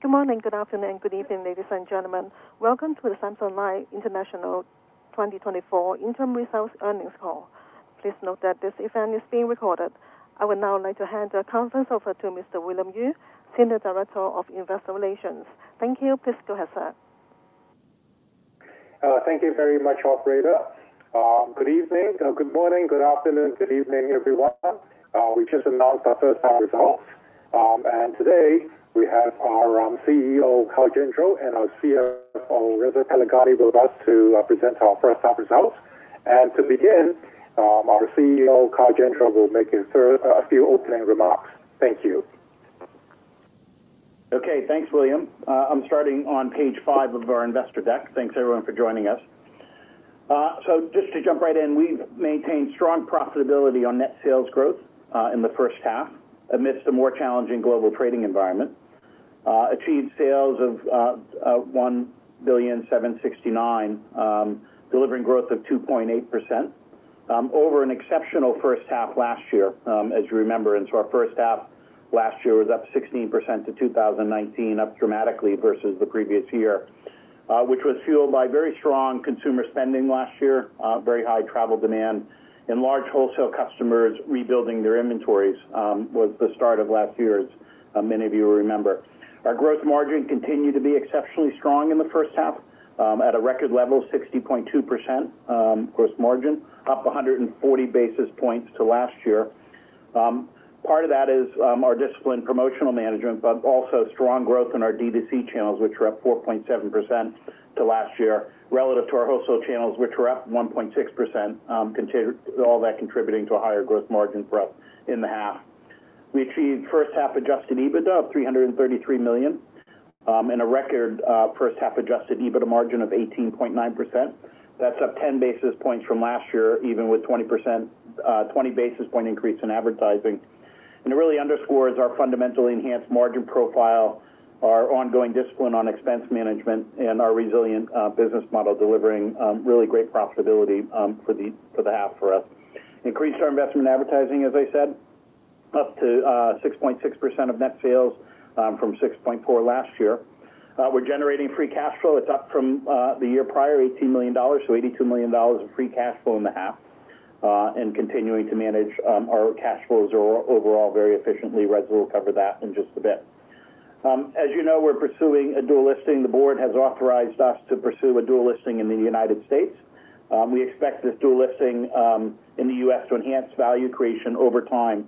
Good morning, good afternoon, good evening, ladies and gentlemen. Welcome to the Samsonite International 2024 Interim Results Earnings Call. Please note that this event is being recorded. I would now like to hand the conference over to Mr. William Yue, Senior Director of Investor Relations. Thank you. Please go ahead, sir. Thank you very much, operator. Good evening, good morning, good afternoon, good evening, everyone. We just announced our first half results. Today we have our CEO, Kyle Gendreau, and our CFO, Reza Taleghani, with us to present our first half results. To begin, our CEO, Kyle Gendreau, will make a few opening remarks. Thank you. Okay, thanks, William. I'm starting on page five of our investor deck. Thanks, everyone, for joining us. So just to jump right in, we've maintained strong profitability on net sales growth in the first half, amidst a more challenging global trading environment. Achieved sales of $1.769 billion, delivering growth of 2.8% over an exceptional first half last year, as you remember. And so our first half last year was up 16% to $2,019 million, up dramatically versus the previous year, which was fueled by very strong consumer spending last year, very high travel demand, and large wholesale customers rebuilding their inventories, was the start of last year, as many of you remember. Our gross margin continued to be exceptionally strong in the first half, at a record level, 60.2% gross margin, up 140 basis points to last year. Part of that is our disciplined promotional management, but also strong growth in our DTC channels, which were up 4.7% to last year, relative to our wholesale channels, which were up 1.6%, all that contributing to a higher gross margin for us in the half. We achieved first half adjusted EBITDA of $333 million, and a record first half adjusted EBITDA margin of 18.9%. That's up 10 basis points from last year, even with 20%, 20 basis point increase in advertising. It really underscores our fundamentally enhanced margin profile, our ongoing discipline on expense management, and our resilient business model, delivering really great profitability for the half for us. Increased our investment in advertising, as I said, up to 6.6% of net sales from 6.4% last year. We're generating free cash flow. It's up from the year prior, $18 million, so $82 million of free cash flow in the half and continuing to manage our cash flows overall very efficiently. Reza will cover that in just a bit. As you know, we're pursuing a dual listing. The board has authorized us to pursue a dual listing in the United States. We expect this dual listing in the U.S. to enhance value creation over time,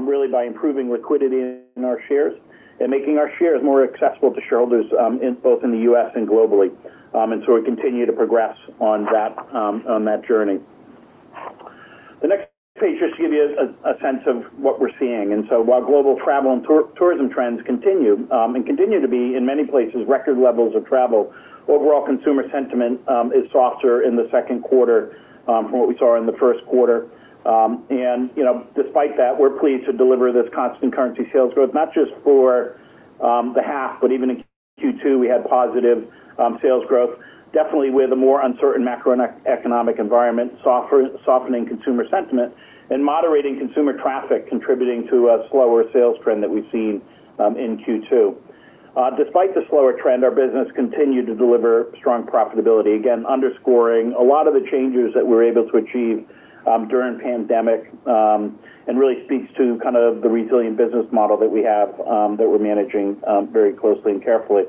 really by improving liquidity in our shares and making our shares more accessible to shareholders in both in the U.S. and globally. And so we continue to progress on that journey. The next page, just to give you a sense of what we're seeing. And so while global travel and tourism trends continue and continue to be, in many places, record levels of travel, overall consumer sentiment is softer in the second quarter from what we saw in the first quarter. And, you know, despite that, we're pleased to deliver this constant currency sales growth, not just for the half, but even in Q2, we had positive sales growth. Definitely, with a more uncertain macroeconomic environment, softening consumer sentiment and moderating consumer traffic contributing to a slower sales trend that we've seen in Q2. Despite the slower trend, our business continued to deliver strong profitability, again, underscoring a lot of the changes that we were able to achieve during pandemic, and really speaks to kind of the resilient business model that we have that we're managing very closely and carefully.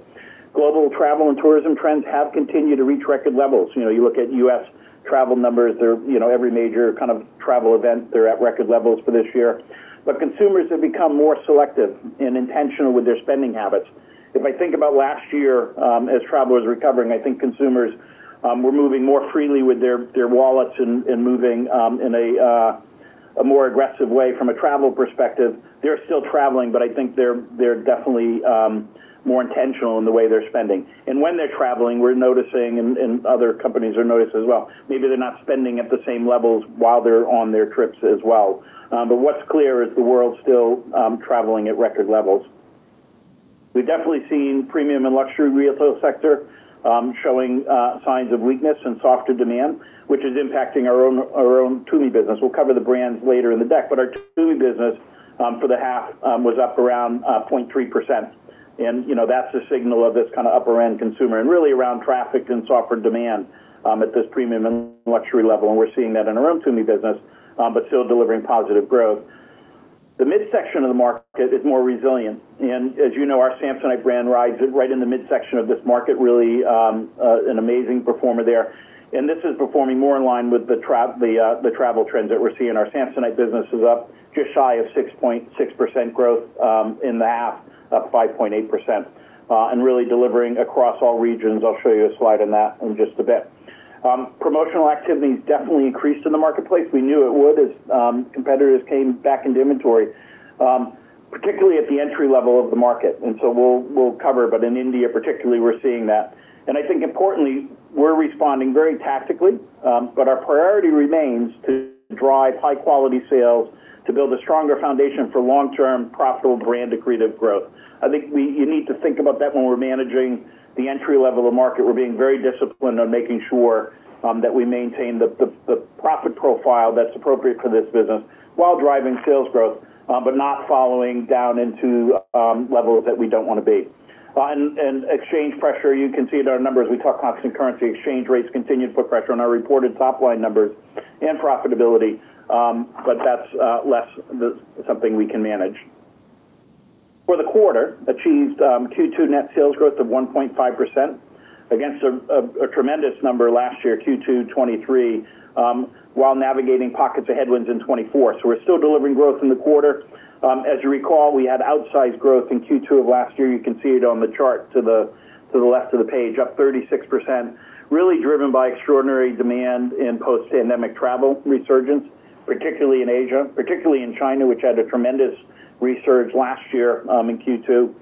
Global travel and tourism trends have continued to reach record levels. You know, you look at U.S. travel numbers, they're, you know, every major kind of travel event, they're at record levels for this year. But consumers have become more selective and intentional with their spending habits. If I think about last year, as travel is recovering, I think consumers were moving more freely with their wallets and moving in a more aggressive way from a travel perspective. They're still traveling, but I think they're definitely more intentional in the way they're spending. And when they're traveling, we're noticing, and other companies are noticing as well, maybe they're not spending at the same levels while they're on their trips as well. But what's clear is the world's still traveling at record levels. We've definitely seen premium and luxury retail sector showing signs of weakness and softer demand, which is impacting our own Tumi business. We'll cover the brands later in the deck, but our Tumi business for the half was up around 0.3%. You know, that's a signal of this kind of upper-end consumer and really around traffic and softer demand at this premium and luxury level. We're seeing that in our own Tumi business, but still delivering positive growth. The midsection of the market is more resilient, and as you know, our Samsonite brand rides right in the midsection of this market, really, an amazing performer there. This is performing more in line with the travel trends that we're seeing. Our Samsonite business is up just shy of 6.6% growth in the half, up 5.8%, and really delivering across all regions. I'll show you a slide on that in just a bit. Promotional activity has definitely increased in the marketplace. We knew it would as, competitors came back into inventory, particularly at the entry level of the market. And so we'll, we'll cover, but in India particularly, we're seeing that. And I think importantly, we're responding very tactically, but our priority remains to drive high-quality sales to build a stronger foundation for long-term, profitable brand accretive growth. I think we—you need to think about that when we're managing the entry-level of market. We're being very disciplined on making sure that we maintain the profit profile that's appropriate for this business while driving sales growth, but not following down into levels that we don't want to be. Exchange pressure, you can see in our numbers. We talk constant currency exchange rates continued to put pressure on our reported top line numbers and profitability, but that's less something we can manage. For the quarter, achieved Q2 net sales growth of 1.5% against a tremendous number last year, Q2 2023, while navigating pockets of headwinds in 2024. So we're still delivering growth in the quarter. As you recall, we had outsized growth in Q2 of last year. You can see it on the chart to the left of the page, up 36%, really driven by extraordinary demand in post-pandemic travel resurgence, particularly in Asia, particularly in China, which had a tremendous resurgence last year in Q2.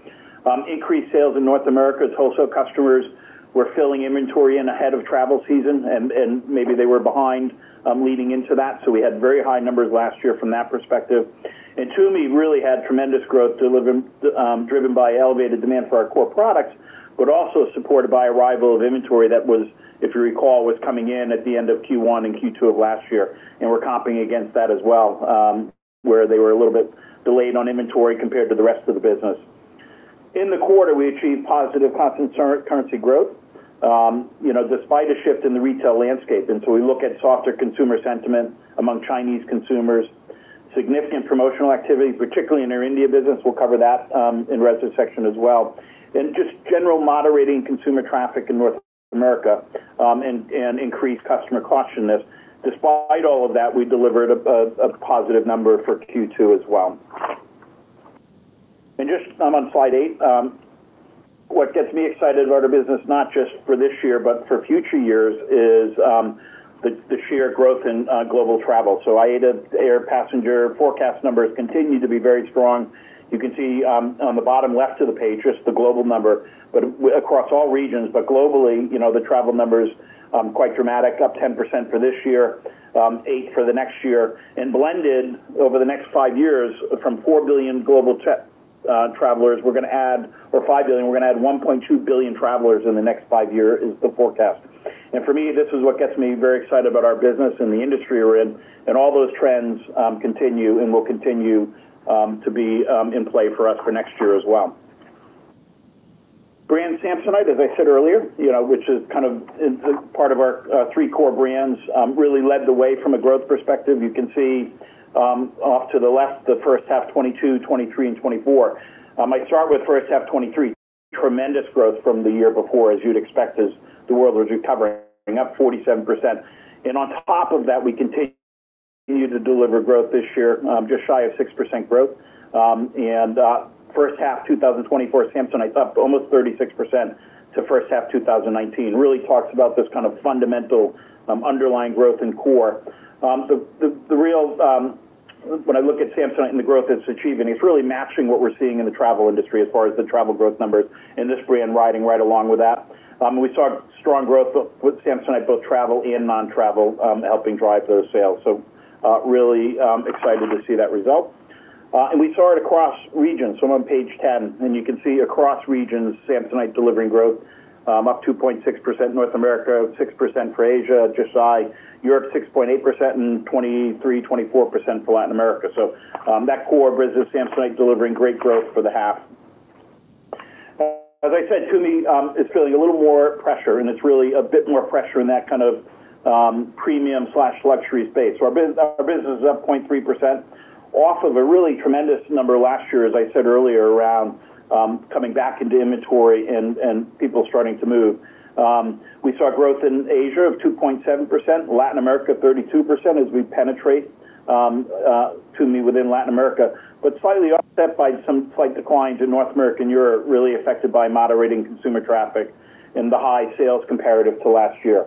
Increased sales in North America as wholesale customers were filling inventory ahead of travel season, and maybe they were behind leading into that. So we had very high numbers last year from that perspective. Tumi really had tremendous growth driven by elevated demand for our core products, but also supported by arrival of inventory that, if you recall, was coming in at the end of Q1 and Q2 of last year, and we're comping against that as well, where they were a little bit delayed on inventory compared to the rest of the business. In the quarter, we achieved positive constant currency growth, you know, despite a shift in the retail landscape. So we look at softer consumer sentiment among Chinese consumers, significant promotional activity, particularly in our India business. We'll cover that in Reza's section as well, and just general moderating consumer traffic in North America, and increased customer cautiousness. Despite all of that, we delivered a positive number for Q2 as well. And just on slide 8, what gets me excited about our business, not just for this year, but for future years, is the sheer growth in global travel. So IATA air passenger forecast numbers continue to be very strong. You can see on the bottom left of the page, just the global number, but across all regions, but globally, you know, the travel numbers quite dramatic, up 10% for this year, 8% for the next year. And blended over the next five years, from 4 billion global travelers, we're going to add, or 5 billion, we're going to add 1.2 billion travelers in the next five years is the forecast. For me, this is what gets me very excited about our business and the industry we're in, and all those trends continue and will continue to be in play for us for next year as well. Brand Samsonite, as I said earlier, you know, which is kind of in part of our three core brands, really led the way from a growth perspective. You can see off to the left, the first half, 2022, 2023, and 2024. I start with first half 2023, tremendous growth from the year before, as you'd expect, as the world was recovering, up 47%. On top of that, we continue to deliver growth this year, just shy of 6% growth. First half 2024, Samsonite up almost 36% to first half 2019. Really talks about this kind of fundamental underlying growth in core. The real, when I look at Samsonite and the growth it's achieving, it's really matching what we're seeing in the travel industry as far as the travel growth numbers and this brand riding right along with that. We saw strong growth with Samsonite, both travel and non-travel, helping drive those sales. So really excited to see that result. And we saw it across regions. So I'm on page 10, and you can see across regions, Samsonite delivering growth, up 2.6% North America, 6% for Asia, just shy, Europe, 6.8%, and 23%-24% for Latin America. That core business, Samsonite, delivering great growth for the half. As I said, Tumi is feeling a little more pressure, and it's really a bit more pressure in that kind of premium/luxury space. Our business is up 0.3% off of a really tremendous number last year, as I said earlier, around coming back into inventory and people starting to move. We saw growth in Asia of 2.7%, Latin America 32%, as we penetrate Tumi within Latin America, but slightly offset by some slight declines in North America and Europe, really affected by moderating consumer traffic and the high sales comparative to last year.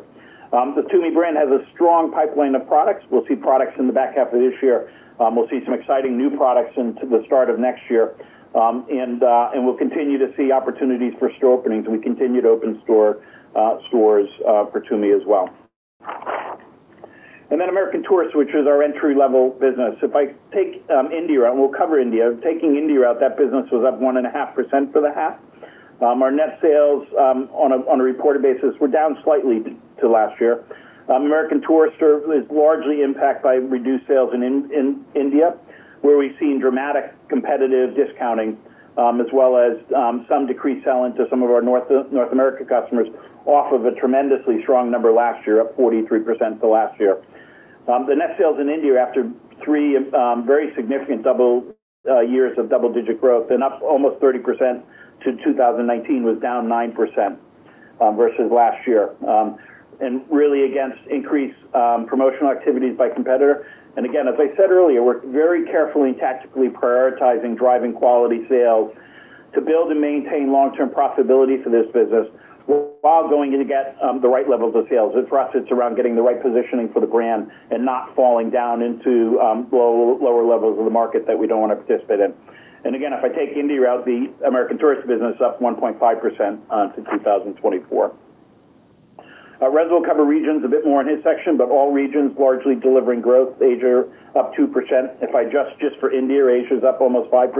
The Tumi brand has a strong pipeline of products. We'll see products in the back half of this year. We'll see some exciting new products into the start of next year. And we'll continue to see opportunities for store openings, and we continue to open stores for Tumi as well. And then American Tourister, which is our entry-level business. If I take India out, and we'll cover India, taking India out, that business was up 1.5% for the half. Our net sales, on a reported basis, were down slightly to last year. American Tourister is largely impacted by reduced sales in India, where we've seen dramatic competitive discounting, as well as some decreased sell-in to some of our North America customers off of a tremendously strong number last year, up 43% to last year. The net sales in India, after three very significant double years of double-digit growth and up almost 30% to 2019, was down 9% versus last year. And really against increased promotional activities by competitor. And again, as I said earlier, we're very carefully and tactically prioritizing driving quality sales to build and maintain long-term profitability for this business, while going to get the right levels of sales. And for us, it's around getting the right positioning for the brand and not falling down into lower levels of the market that we don't want to participate in. And again, if I take India out, the American Tourister business up 1.5% to 2024. Reza will cover regions a bit more in his section, but all regions largely delivering growth. Asia, up 2%. If I adjust just for India, Asia is up almost 5%.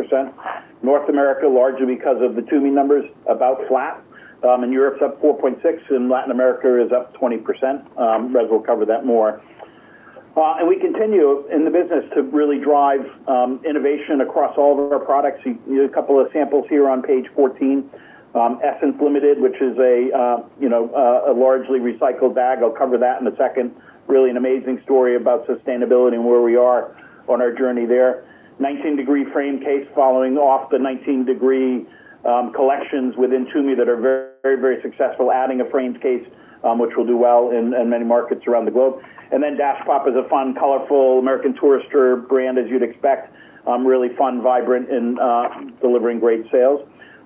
North America, largely because of the Tumi numbers, about flat. And Europe's up 4.6%, and Latin America is up 20%. Reza will cover that more. And we continue in the business to really drive innovation across all of our products. You have a couple of samples here on page 14. Essens Limited, which is a, you know, a largely recycled bag. I'll cover that in a second. Really an amazing story about sustainability and where we are on our journey there. 19 Degree Frame Case, following off the 19 Degree collections within Tumi that are very, very successful, adding a frames case, which will do well in many markets around the globe. Then DashPop is a fun, colorful American Tourister brand, as you'd expect. Really fun, vibrant and delivering great sales.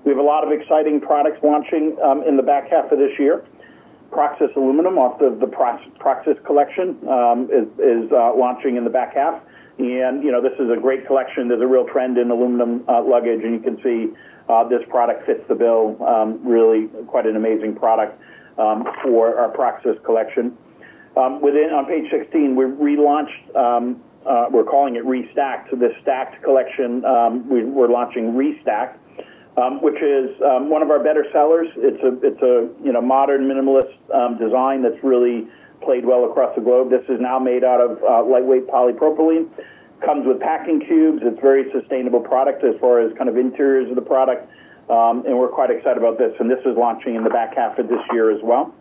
We have a lot of exciting products launching in the back half of this year. Proxis Aluminum from the Proxis collection is launching in the back half. And, you know, this is a great collection. There's a real trend in aluminum luggage, and you can see this product fits the bill, really quite an amazing product for our Proxis collection. On page 16, we've relaunched, we're calling it Restackd. So this Restackd collection, we're launching Restackd, which is one of our better sellers. It's a, it's a, you know, modern, minimalist design that's really played well across the globe. This is now made out of lightweight polypropylene. Comes with packing cubes. It's a very sustainable product as far as kind of interiors of the product, and we're quite excited about this, and this is launching in the back half of this year as well.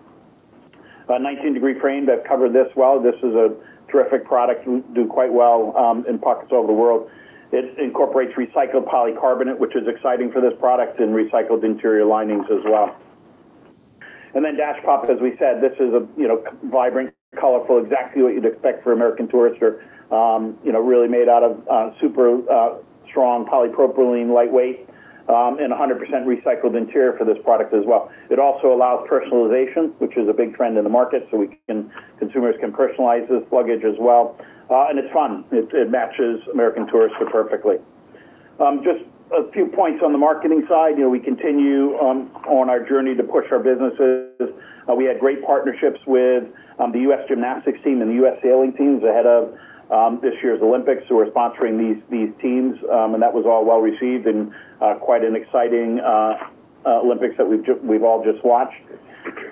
19 Degree Frame, I've covered this well. This is a terrific product, do quite well, in pockets all over the world. It incorporates recycled polycarbonate, which is exciting for this product, and recycled interior linings as well. And then DashPop, as we said, this is a, you know, vibrant, colorful, exactly what you'd expect for American Tourister. You know, really made out of super strong polypropylene, lightweight, and 100% recycled interior for this product as well. It also allows personalization, which is a big trend in the market, so consumers can personalize this luggage as well. And it's fun. It matches American Tourister perfectly. Just a few points on the marketing side. You know, we continue on our journey to push our businesses. We had great partnerships with the U.S. gymnastics team and the U.S. sailing teams ahead of this year's Olympics, so we're sponsoring these teams. And that was all well received and quite an exciting Olympics that we've all just watched.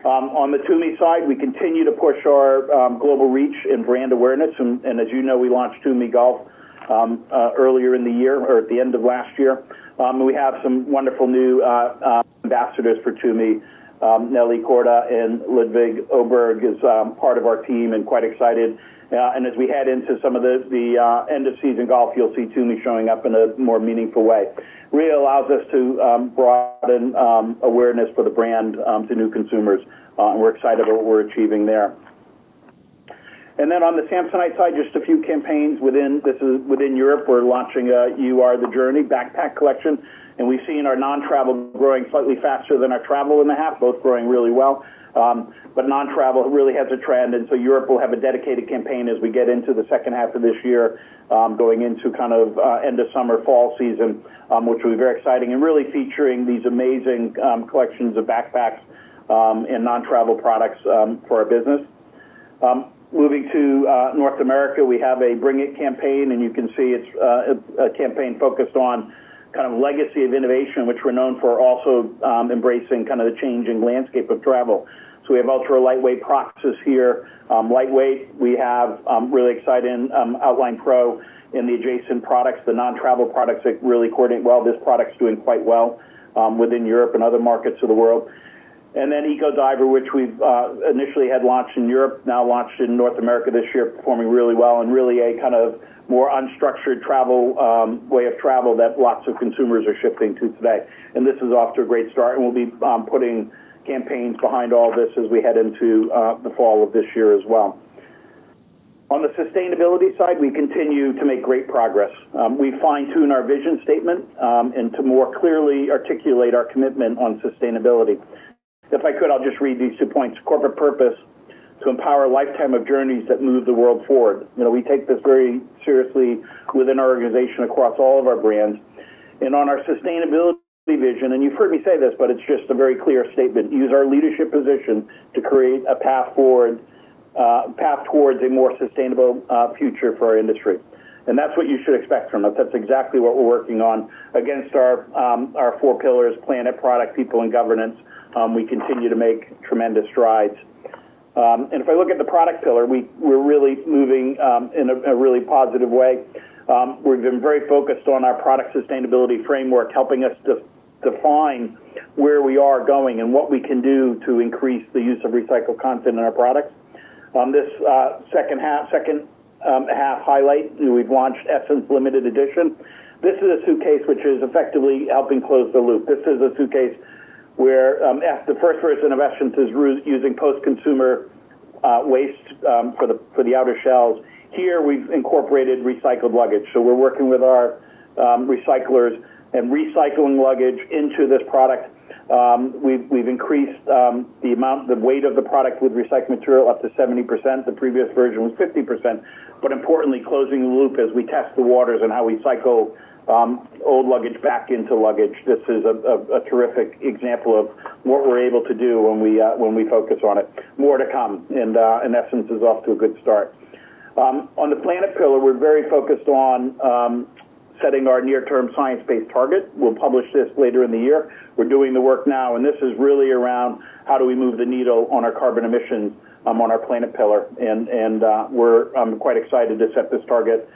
On the Tumi side, we continue to push our global reach and brand awareness, and as you know, we launched Tumi Golf earlier in the year or at the end of last year. And we have some wonderful new ambassadors for Tumi. Nelly Korda and Ludvig Åberg is part of our team and quite excited. And as we head into some of the end of season golf, you'll see Tumi showing up in a more meaningful way. Really allows us to broaden awareness for the brand to new consumers, and we're excited about what we're achieving there. And then on the Samsonite side, just a few campaigns within. This is within Europe. We're launching a You Are the Journey backpack collection, and we've seen our non-travel growing slightly faster than our travel in the half, both growing really well. But non-travel really has a trend, and so Europe will have a dedicated campaign as we get into the second half of this year, going into kind of end of summer, fall season, which will be very exciting and really featuring these amazing collections of backpacks and non-travel products for our business. Moving to North America, we have a Bring It campaign, and you can see it's a campaign focused on kind of legacy of innovation, which we're known for also, embracing kind of the changing landscape of travel. So we have ultra-lightweight Proxis here. Lightweight, we have really exciting Outline Pro in the adjacent products, the non-travel products that really coordinate well. This product's doing quite well within Europe and other markets of the world. And then Ecodiver, which we've initially had launched in Europe, now launched in North America this year, performing really well and really a kind of more unstructured travel way of travel that lots of consumers are shifting to today. And this is off to a great start, and we'll be putting campaigns behind all this as we head into the fall of this year as well. On the sustainability side, we continue to make great progress. We fine-tune our vision statement and to more clearly articulate our commitment on sustainability. If I could, I'll just read these two points. Corporate purpose: to empower a lifetime of journeys that move the world forward. You know, we take this very seriously within our organization, across all of our brands. On our sustainability vision, and you've heard me say this, but it's just a very clear statement, use our leadership position to create a path forward, path towards a more sustainable, future for our industry. That's what you should expect from us. That's exactly what we're working on against our, our four pillars: Planet, Product, People, and Governance. We continue to make tremendous strides. And if I look at the Product pillar, we're really moving in a really positive way. We've been very focused on our product sustainability framework, helping us define where we are going and what we can do to increase the use of recycled content in our products. On this second half highlight, we've launched Essens Limited Edition. This is a suitcase which is effectively helping close the loop. This is a suitcase where, as the first version of Essens is reusing post-consumer waste for the outer shells. Here, we've incorporated recycled luggage, so we're working with our recyclers and recycling luggage into this product. We've increased the weight of the product with recycled material up to 70%. The previous version was 50%, but importantly, closing the loop as we test the waters on how we cycle old luggage back into luggage. This is a terrific example of what we're able to do when we focus on it. More to come, and Essens is off to a good start. On the Planet pillar, we're very focused on setting our near-term science-based target. We'll publish this later in the year. We're doing the work now, and this is really around how do we move the needle on our carbon emissions on our planet pillar. We're quite excited to set this target,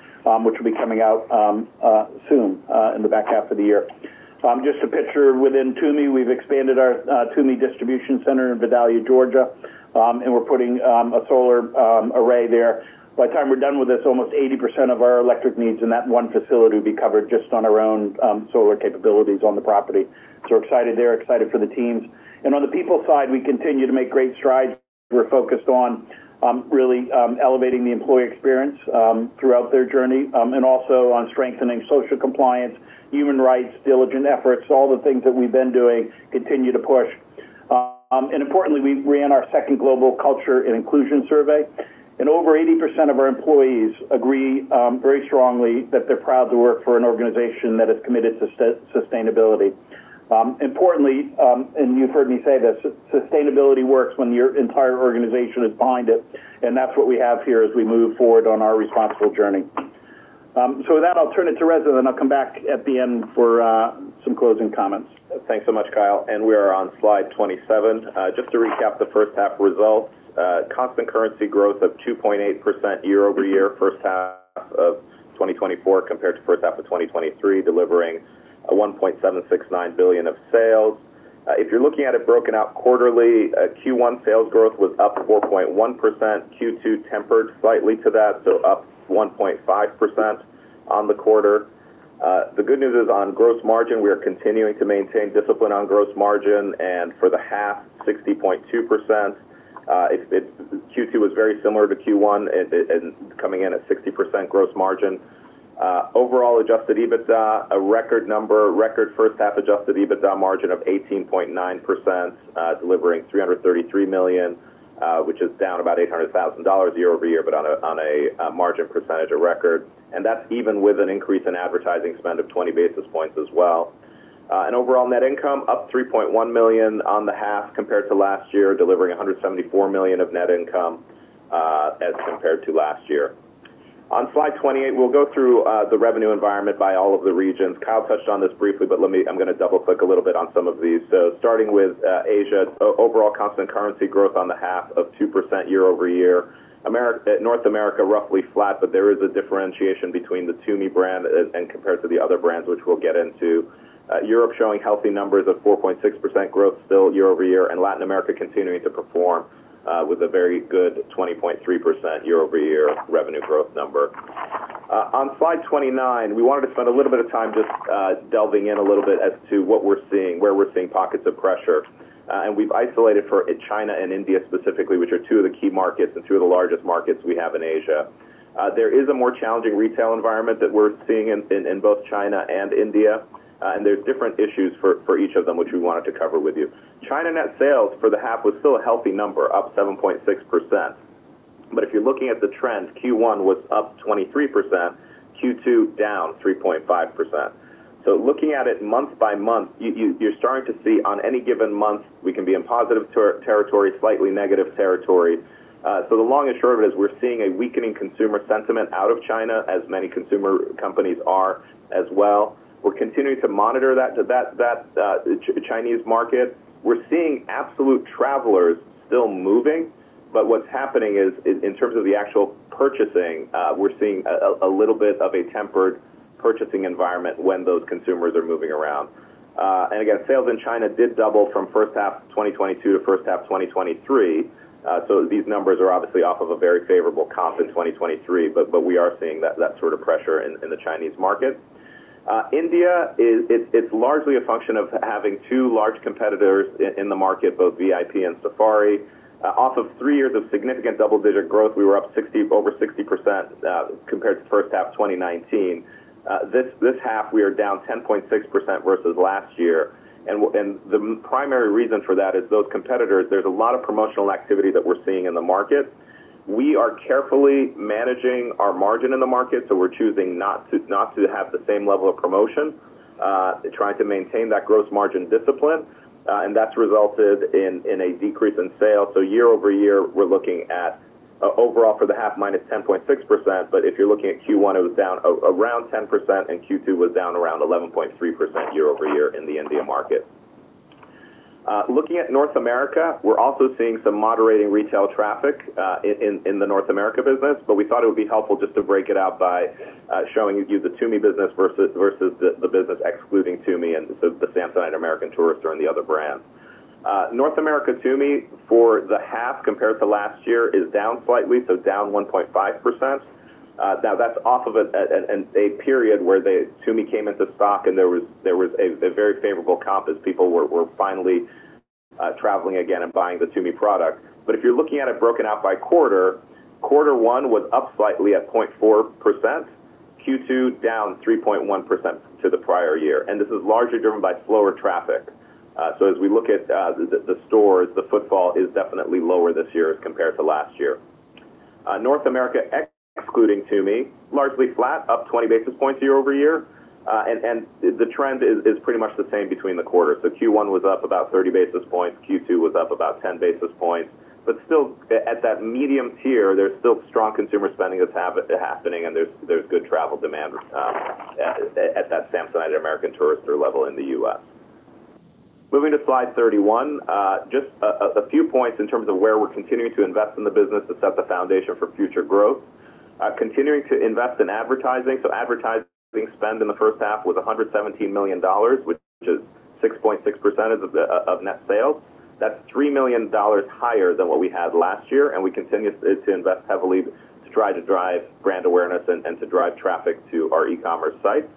which will be coming out soon in the back half of the year. Just a picture within Tumi, we've expanded our Tumi distribution center in Vidalia, Georgia, and we're putting a solar array there. By the time we're done with this, almost 80% of our electric needs in that one facility will be covered just on our own solar capabilities on the property. So we're excited there, excited for the teams. And on the People side, we continue to make great strides. We're focused on really elevating the employee experience throughout their journey and also on strengthening social compliance, human rights, diligent efforts, all the things that we've been doing continue to push. And importantly, we ran our second global culture and inclusion survey, and over 80% of our employees agree very strongly that they're proud to work for an organization that is committed to sustainability. Importantly, and you've heard me say this, sustainability works when your entire organization is behind it, and that's what we have here as we move forward on our responsible journey. So with that, I'll turn it to Reza, then I'll come back at the end for some closing comments. Thanks so much, Kyle, and we are on slide 27. Just to recap the first half results, constant currency growth of 2.8% year-over-year, first half of 2024 compared to first half of 2023, delivering $1.769 billion of sales. If you're looking at it broken out quarterly, Q1 sales growth was up 4.1%. Q2 tempered slightly to that, so up 1.5% on the quarter. The good news is on gross margin, we are continuing to maintain discipline on gross margin, and for the half, 60.2%. Q2 was very similar to Q1 and coming in at 60% gross margin. Overall, Adjusted EBITDA, a record number, record first half Adjusted EBITDA margin of 18.9%, delivering $333 million, which is down about $800,000 year-over-year, but on a margin percentage, a record. And that's even with an increase in advertising spend of 20 basis points as well. And overall net income up $3.1 million on the half compared to last year, delivering $174 million of net income, as compared to last year. On slide 28, we'll go through the revenue environment by all of the regions. Kyle touched on this briefly, but let me. I'm gonna double-click a little bit on some of these. So starting with Asia, overall constant currency growth on the half of 2% year-over-year. America, North America, roughly flat, but there is a differentiation between the Tumi brand as, and compared to the other brands, which we'll get into. Europe showing healthy numbers of 4.6% growth still year-over-year, and Latin America continuing to perform, with a very good 20.3% year-over-year revenue growth number. On slide 29, we wanted to spend a little bit of time just delving in a little bit as to what we're seeing, where we're seeing pockets of pressure. And we've isolated for China and India specifically, which are two of the key markets and two of the largest markets we have in Asia. There is a more challenging retail environment that we're seeing in both China and India, and there's different issues for each of them, which we wanted to cover with you. China net sales for the half was still a healthy number, up 7.6%. But if you're looking at the trend, Q1 was up 23%, Q2 down 3.5%. So looking at it month by month, you're starting to see on any given month, we can be in positive territory, slightly negative territory. So the long and short of it is we're seeing a weakening consumer sentiment out of China, as many consumer companies are as well. We're continuing to monitor that Chinese market. We're seeing absolute travelers still moving, but what's happening is, in terms of the actual purchasing, we're seeing a little bit of a tempered purchasing environment when those consumers are moving around. And again, sales in China did double from first half 2022 to first half 2023. So these numbers are obviously off of a very favorable comp in 2023, but we are seeing that sort of pressure in the Chinese market. India is largely a function of having two large competitors in the market, both VIP and Safari. Off of three years of significant double-digit growth, we were up 60, over 60%, compared to first half 2019. This half, we are down 10.6% versus last year. And the primary reason for that is those competitors. There's a lot of promotional activity that we're seeing in the market. We are carefully managing our margin in the market, so we're choosing not to have the same level of promotion, trying to maintain that gross margin discipline, and that's resulted in a decrease in sales. So year-over-year, we're looking at overall for the half, -10.6%. But if you're looking at Q1, it was down around 10%, and Q2 was down around 11.3% year-over-year in the India market. Looking at North America, we're also seeing some moderating retail traffic in the North America business, but we thought it would be helpful just to break it out by showing you the Tumi business versus the business excluding Tumi and the Samsonite American Tourister and the other brands. North America Tumi for the half compared to last year is down slightly, so down 1.5%. Now that's off of a bit at a period where the Tumi came into stock, and there was a very favorable comp as people were finally traveling again and buying the Tumi product. But if you're looking at it broken out by quarter, Q1 was up slightly at 0.4%, Q2 down 3.1% to the prior year, and this is largely driven by slower traffic. So as we look at the stores, the footfall is definitely lower this year compared to last year. North America, excluding Tumi, largely flat, up 20 basis points year-over-year. And the trend is pretty much the same between the quarters. So Q1 was up about 30 basis points. Q2 was up about 10 basis points, but still, at that medium tier, there's still strong consumer spending that's happening, and there's good travel demand at that Samsonite American Tourister level in the U.S. Moving to slide 31, just a few points in terms of where we're continuing to invest in the business to set the foundation for future growth. Continuing to invest in advertising. So advertising spend in the first half was $117 million, which is 6.6% of net sales. That's $3 million higher than what we had last year, and we continue to invest heavily to try to drive brand awareness and to drive traffic to our e-commerce site.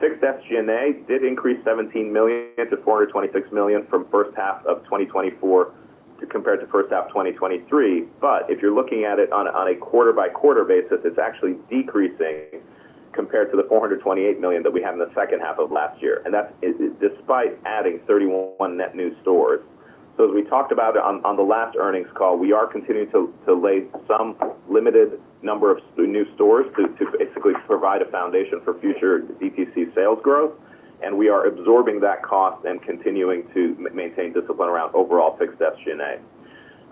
Fixed SG&A did increase $17 million to $426 million from first half of 2024, compared to first half of 2023. But if you're looking at it on a quarter-by-quarter basis, it's actually decreasing compared to the $428 million that we had in the second half of last year, and that's despite adding 31 net new stores. So as we talked about on the last earnings call, we are continuing to lay some limited number of new stores to basically provide a foundation for future DTC sales growth, and we are absorbing that cost and continuing to maintain discipline around overall fixed SG&A.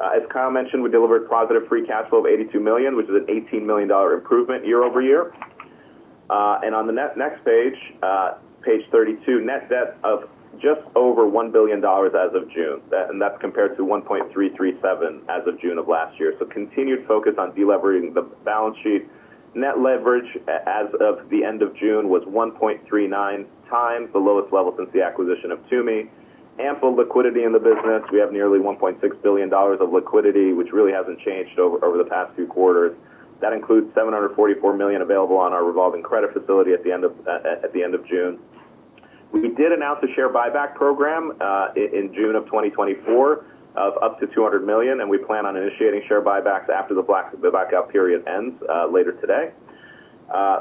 As Kyle mentioned, we delivered positive free cash flow of $82 million, which is an $18 million improvement year-over-year. On the next page, page 32, net debt of just over $1 billion as of June. And that's compared to $1.337 billion as of June of last year. So continued focus on delevering the balance sheet. Net leverage, as of the end of June, was 1.39x, the lowest level since the acquisition of Tumi. Ample liquidity in the business. We have nearly $1.6 billion of liquidity, which really hasn't changed over the past few quarters. That includes $744 million available on our revolving credit facility at the end of June. We did announce a share buyback program in June 2024, of up to $200 million, and we plan on initiating share buybacks after the blackout period ends later today.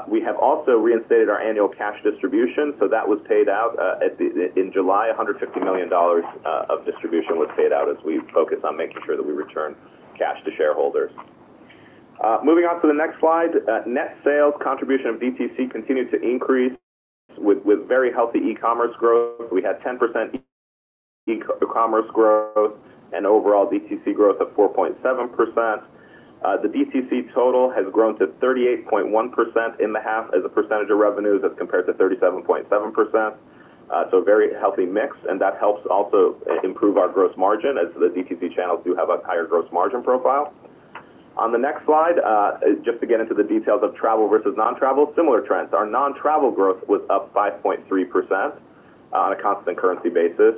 We have also reinstated our annual cash distribution, so that was paid out in July, $150 million of distribution was paid out as we focus on making sure that we return cash to shareholders. Moving on to the next slide. Net sales contribution of DTC continued to increase with very healthy e-commerce growth. We had 10% e-commerce growth and overall DTC growth of 4.7%. The DTC total has grown to 38.1% in the half as a percentage of revenue. That's compared to 37.7%. So very healthy mix, and that helps also improve our gross margin, as the DTC channels do have a higher gross margin profile. On the next slide, just to get into the details of travel versus non-travel, similar trends. Our non-travel growth was up 5.3% on a constant currency basis.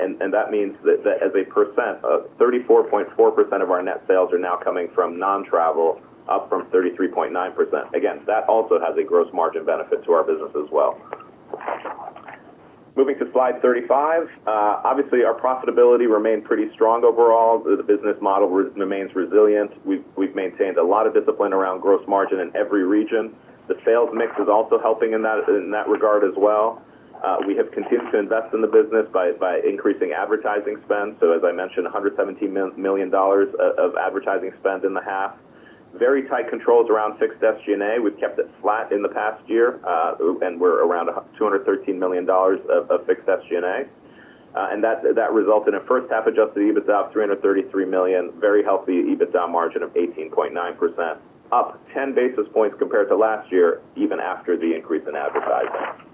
And that means that as a percent, 34.4% of our net sales are now coming from non-travel, up from 33.9%. Again, that also has a gross margin benefit to our business as well. Moving to slide 35. Obviously, our profitability remained pretty strong overall. The business model remains resilient. We've maintained a lot of discipline around gross margin in every region. The sales mix is also helping in that regard as well. We have continued to invest in the business by increasing advertising spend, so as I mentioned, $117 million of advertising spend in the half. Very tight controls around fixed SG&A. We've kept it flat in the past year, and we're around $213 million of fixed SG&A. And that resulted in a first half Adjusted EBITDA of $333 million. Very healthy EBITDA margin of 18.9%, up 10 basis points compared to last year, even after the increase in advertising.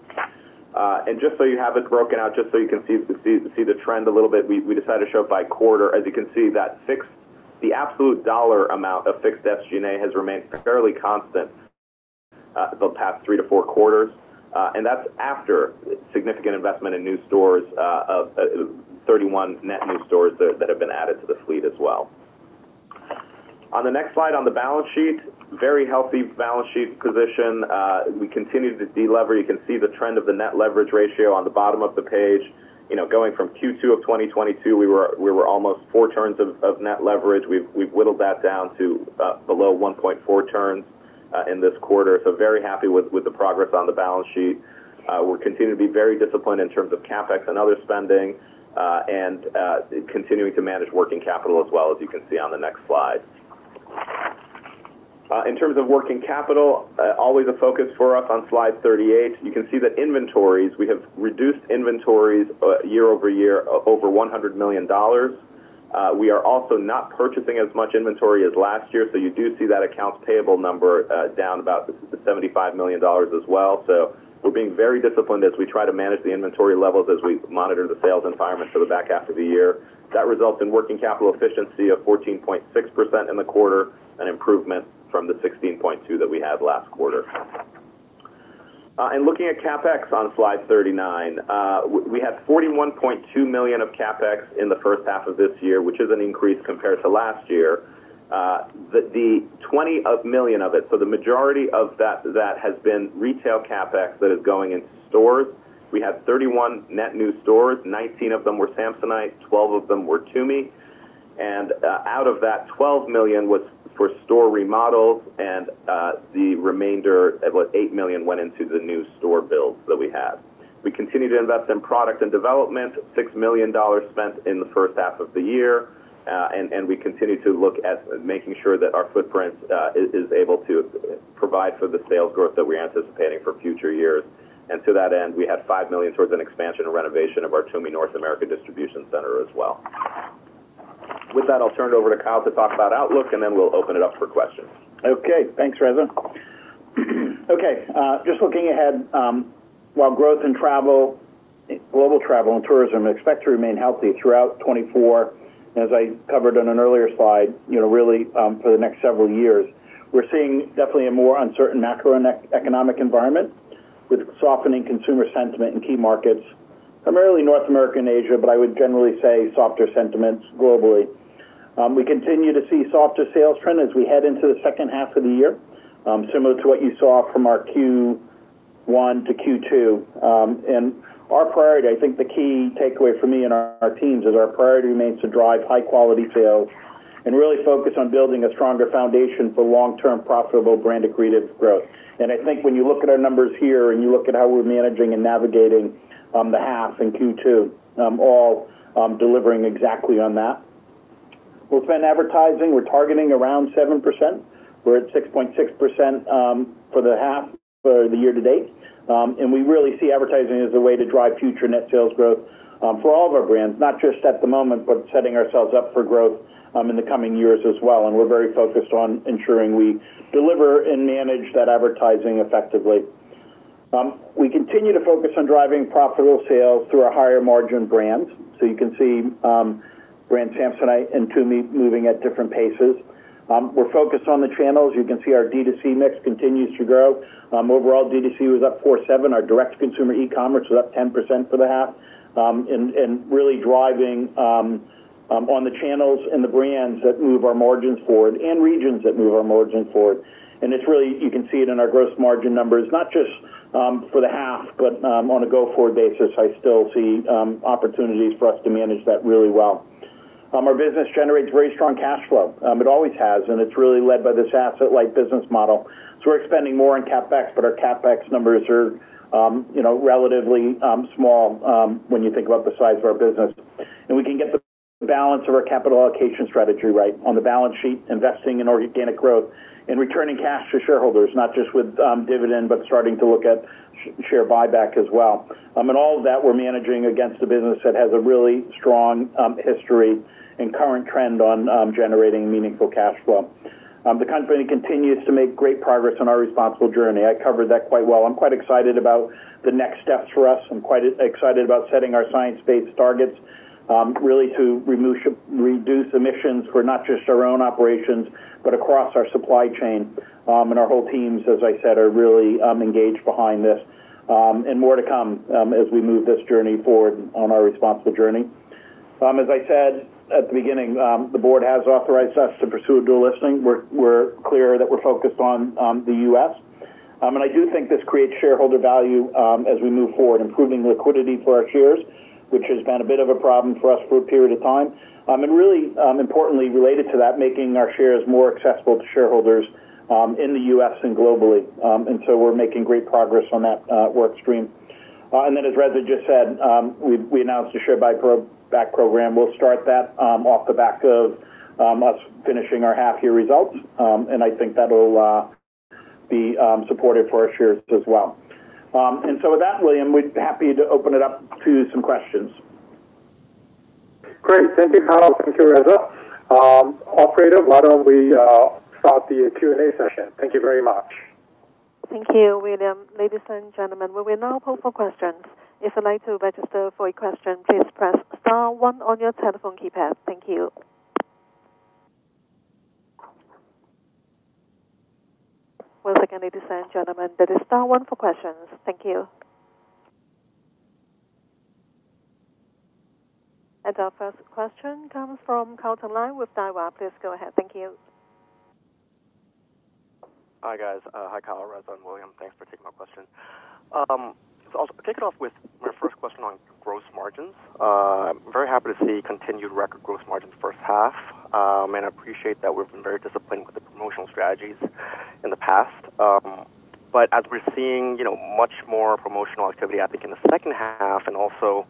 And just so you have it broken out, just so you can see the trend a little bit, we decided to show it by quarter. As you can see, that fixed the absolute dollar amount of fixed SG&A has remained fairly constant, the past three to four quarters, and that's after significant investment in new stores, 31 net new stores that have been added to the fleet as well. On the next slide, on the balance sheet, very healthy balance sheet position. We continued to delever. You can see the trend of the net leverage ratio on the bottom of the page. You know, going from Q2 of 2022, we were almost 4 turns of net leverage. We've whittled that down to below 1.4 turns in this quarter. So very happy with the progress on the balance sheet. We're continuing to be very disciplined in terms of CapEx and other spending, and continuing to manage working capital as well, as you can see on the next slide. In terms of working capital, always a focus for us. On slide 38, you can see that inventories, we have reduced inventories year-over-year, over $100 million. We are also not purchasing as much inventory as last year, so you do see that accounts payable number down about $75 million as well. So we're being very disciplined as we try to manage the inventory levels as we monitor the sales environment for the back half of the year. That results in working capital efficiency of 14.6% in the quarter, an improvement from the 16.2% that we had last quarter. And looking at CapEx on slide 39, we had $41.2 million of CapEx in the first half of this year, which is an increase compared to last year. The $20 million of it, so the majority of that, that has been retail CapEx that is going into stores. We had 31 net new stores. 19 of them were Samsonite, 12 of them were Tumi. And, out of that, $12 million was for store remodels, and, the remainder, about $8 million, went into the new store builds that we have. We continue to invest in product and development. $6 million spent in the first half of the year, and we continue to look at making sure that our footprint is able to provide for the sales growth that we're anticipating for future years. To that end, we had $5 million towards an expansion and renovation of our Tumi North America distribution center as well. With that, I'll turn it over to Kyle to talk about outlook, and then we'll open it up for questions. Okay, thanks, Reza. Okay, just looking ahead, while growth in travel, global travel and tourism, expect to remain healthy throughout 2024, as I covered in an earlier slide, you know, really, for the next several years, we're seeing definitely a more uncertain macroeconomic environment with softening consumer sentiment in key markets, primarily North America and Asia, but I would generally say softer sentiments globally. We continue to see softer sales trend as we head into the second half of the year, similar to what you saw from our Q1 to Q2. And our priority, I think the key takeaway for me and our teams is our priority remains to drive high-quality sales and really focus on building a stronger foundation for long-term, profitable, brand accretive growth. I think when you look at our numbers here and you look at how we're managing and navigating the half in Q2, all delivering exactly on that. We'll spend advertising. We're targeting around 7%. We're at 6.6% for the half for the year to date. And we really see advertising as a way to drive future net sales growth for all of our brands, not just at the moment, but setting ourselves up for growth in the coming years as well. And we're very focused on ensuring we deliver and manage that advertising effectively. We continue to focus on driving profitable sales through our higher-margin brands. So you can see brands Samsonite and Tumi moving at different paces. We're focused on the channels. You can see our DTC mix continues to grow. Overall, DTC was up 47 bps. Our direct consumer e-commerce was up 10% for the half, and really driving on the channels and the brands that move our margins forward and regions that move our margins forward. And it's really, you can see it in our gross margin numbers, not just for the half, but on a go-forward basis, I still see opportunities for us to manage that really well. Our business generates very strong cash flow. It always has, and it's really led by this asset-light business model. So we're spending more on CapEx, but our CapEx numbers are, you know, relatively small when you think about the size of our business. And we can get the balance of our capital allocation strategy right on the balance sheet, investing in organic growth and returning cash to shareholders, not just with dividend, but starting to look at share buyback as well. And all of that, we're managing against a business that has a really strong history and current trend on generating meaningful cash flow. The company continues to make great progress on our responsible journey. I covered that quite well. I'm quite excited about the next steps for us. I'm quite excited about setting our science-based targets, really to reduce emissions for not just our own operations, but across our supply chain. And our whole teams, as I said, are really engaged behind this, and more to come, as we move this journey forward on our responsible journey. As I said at the beginning, the board has authorized us to pursue a dual listing. We're clear that we're focused on the U.S., and I do think this creates shareholder value as we move forward, improving liquidity for our shares, which has been a bit of a problem for us for a period of time. And really, importantly, related to that, making our shares more accessible to shareholders in the U.S. and globally. And so we're making great progress on that work stream. And then, as Reza just said, we announced a share buyback program. We'll start that off the back of us finishing our half-year results. And I think that'll be supportive for our shares as well. With that, William, we'd be happy to open it up to some questions. Great. Thank you, Kyle. Thank you, Reza. Operator, why don't we start the Q&A session? Thank you very much. Thank you, William. Ladies and gentlemen, we will now open for questions. If you'd like to register for a question, please press star one on your telephone keypad. Thank you. One second, ladies and gentlemen. That is star one for questions. Thank you. Our first question comes from Carlton Lai with Daiwa. Please go ahead. Thank you. Hi, guys. Hi, Kyle, Reza, and William. Thanks for taking my question. So I'll kick it off with my first question on gross margins. I'm very happy to see continued record gross margins the first half, and I appreciate that we've been very disciplined with the promotional strategies in the past. But as we're seeing much more promotional activity, I think, in the second half and also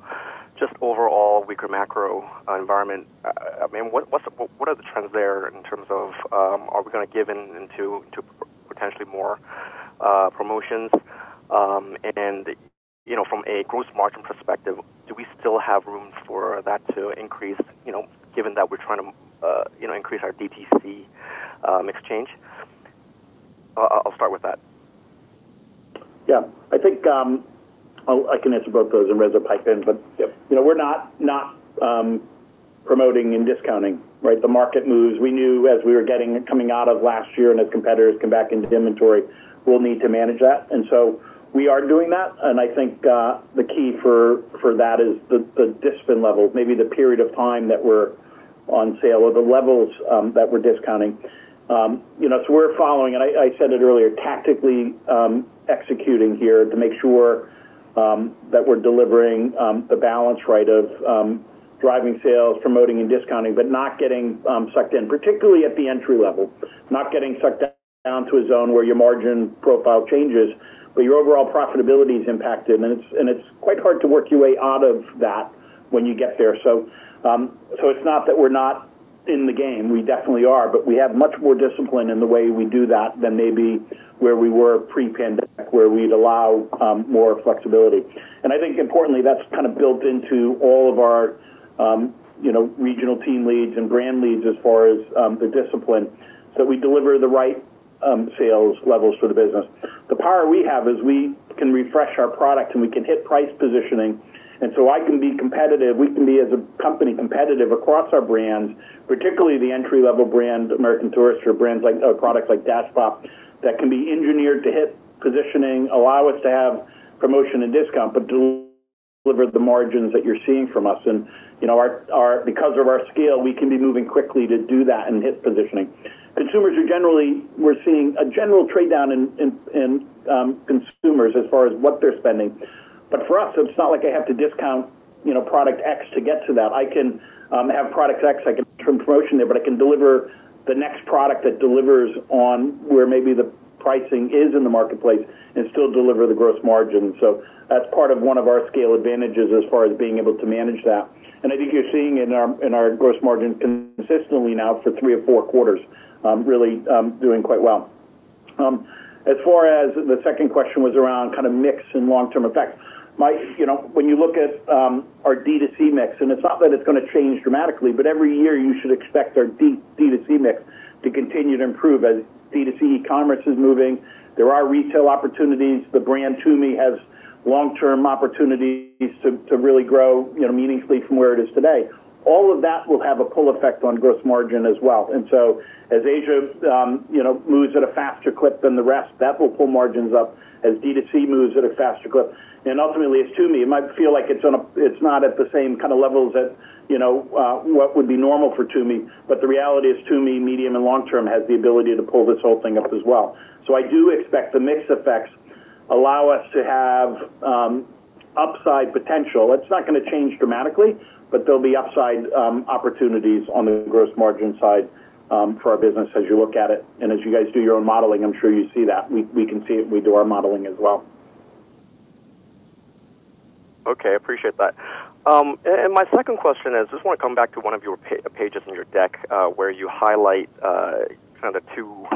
just overall weaker macro environment, I mean, what are the trends there in terms of are we gonna give in to potentially more promotions? And, you know, from a gross margin perspective, do we still have room for that to increase, you know, given that we're trying to increase our DTC exchange? I'll start with that. Yeah. I think, I'll I can answer both those and Reza pipe in. But, you know, we're not promoting and discounting, right? The market moves. We knew as we were coming out of last year and as competitors come back into inventory, we'll need to manage that. And so we are doing that, and I think the key for that is the discipline level, maybe the period of time that we're on sale or the levels that we're discounting. You know, so we're following, and I said it earlier, tactically executing here to make sure that we're delivering the balance right of driving sales, promoting and discounting, but not getting sucked in, particularly at the entry level, not getting sucked down to a zone where your margin profile changes, but your overall profitability is impacted. It's quite hard to work your way out of that when you get there. So, so it's not that we're not in the game. We definitely are, but we have much more discipline in the way we do that than maybe where we were pre-pandemic, where we'd allow more flexibility. And I think importantly, that's kind of built into all of our, you know, regional team leads and brand leads as far as the discipline, so we deliver the right sales levels for the business. The power we have is we can refresh our product, and we can hit price positioning, and so I can be competitive. We can be, as a company, competitive across our brands, particularly the entry-level brand, American Tourister, brands like or products like DashPop, that can be engineered to hit positioning, allow us to have promotion and discount, but deliver the margins that you're seeing from us. And, you know, because of our scale, we can be moving quickly to do that and hit positioning. Consumers are generally we're seeing a general trade-down in consumers as far as what they're spending. But for us, it's not like I have to discount, you know, product X to get to that. I can have product X, I can term promotion there, but I can deliver the next product that delivers on where maybe the pricing is in the marketplace and still deliver the gross margin. So that's part of one of our scale advantages as far as being able to manage that. And I think you're seeing in our gross margin consistently now for three or four quarters, really doing quite well. As far as the second question was around kind of mix and long-term effects. You know, when you look at our DTC mix, and it's not that it's going to change dramatically, but every year you should expect our DTC mix to continue to improve. As DTC, e-commerce is moving, there are retail opportunities. The brand Tumi has long-term opportunities to really grow, you know, meaningfully from where it is today. All of that will have a pull effect on gross margin as well. As Asia, you know, moves at a faster clip than the rest, that will pull margins up as DTC moves at a faster clip. Ultimately, it's Tumi. It might feel like it's not at the same kind of levels that, you know, what would be normal for Tumi, but the reality is, Tumi, medium and long term, has the ability to pull this whole thing up as well. So I do expect the mix effects allow us to have upside potential. It's not going to change dramatically, but there'll be upside opportunities on the gross margin side for our business as you look at it. And as you guys do your modeling, I'm sure you see that. We can see it. We do our modeling as well. Okay, appreciate that. And my second question is, I just want to come back to one of your pages in your deck, where you highlight, kind of two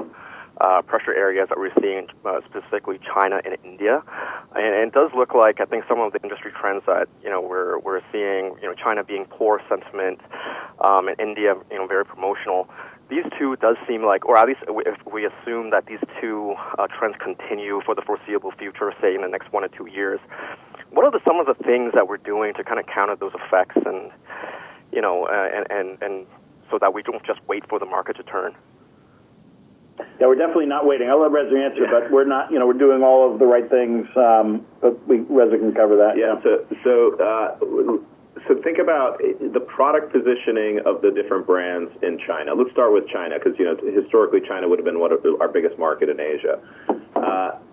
pressure areas that we're seeing, specifically China and India. And it does look like I think some of the industry trends that, you know, we're, we're seeing, you know, China being poor sentiment, and India, you know, very promotional. These two, it does seem like or at least if we assume that these two trends continue for the foreseeable future, say, in the next one or two years, what are some of the things that we're doing to kind of counter those effects and, you know, so that we don't just wait for the market to turn? Yeah, we're definitely not waiting. I'll let Reza answer, but we're not, you know, we're doing all of the right things, but Reza can cover that. Yeah, so think about the product positioning of the different brands in China. Let's start with China, because, you know, historically, China would have been one of our biggest market in Asia.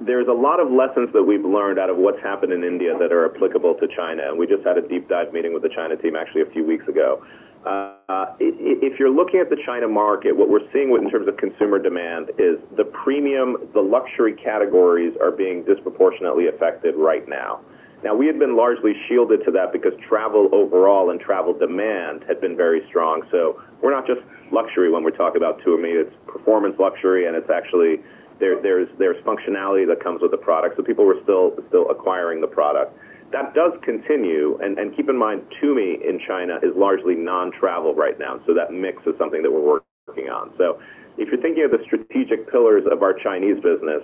There's a lot of lessons that we've learned out of what's happened in India that are applicable to China, and we just had a deep dive meeting with the China team actually a few weeks ago. If you're looking at the China market, what we're seeing in terms of consumer demand is the premium, the luxury categories are being disproportionately affected right now. Now, we had been largely shielded to that because travel overall and travel demand had been very strong. So we're not just luxury when we talk about Tumi, it's performance luxury, and it's actually, there's functionality that comes with the product. So people were still acquiring the product. That does continue, and keep in mind, Tumi in China is largely non-travel right now, so that mix is something that we're working on. So if you're thinking of the strategic pillars of our Chinese business,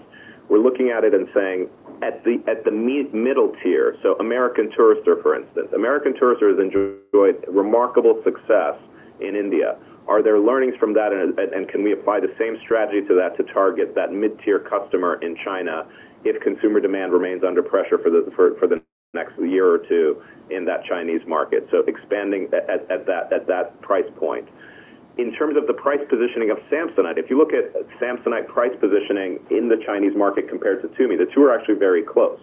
we're looking at it and saying at the middle tier, so American Tourister, for instance. American Tourister has enjoyed remarkable success in India. Are there learnings from that, and can we apply the same strategy to that to target that mid-tier customer in China if consumer demand remains under pressure for the next year or two in that Chinese market? So expanding at that price point. In terms of the price positioning of Samsonite, if you look at Samsonite price positioning in the Chinese market compared to Tumi, the two are actually very close.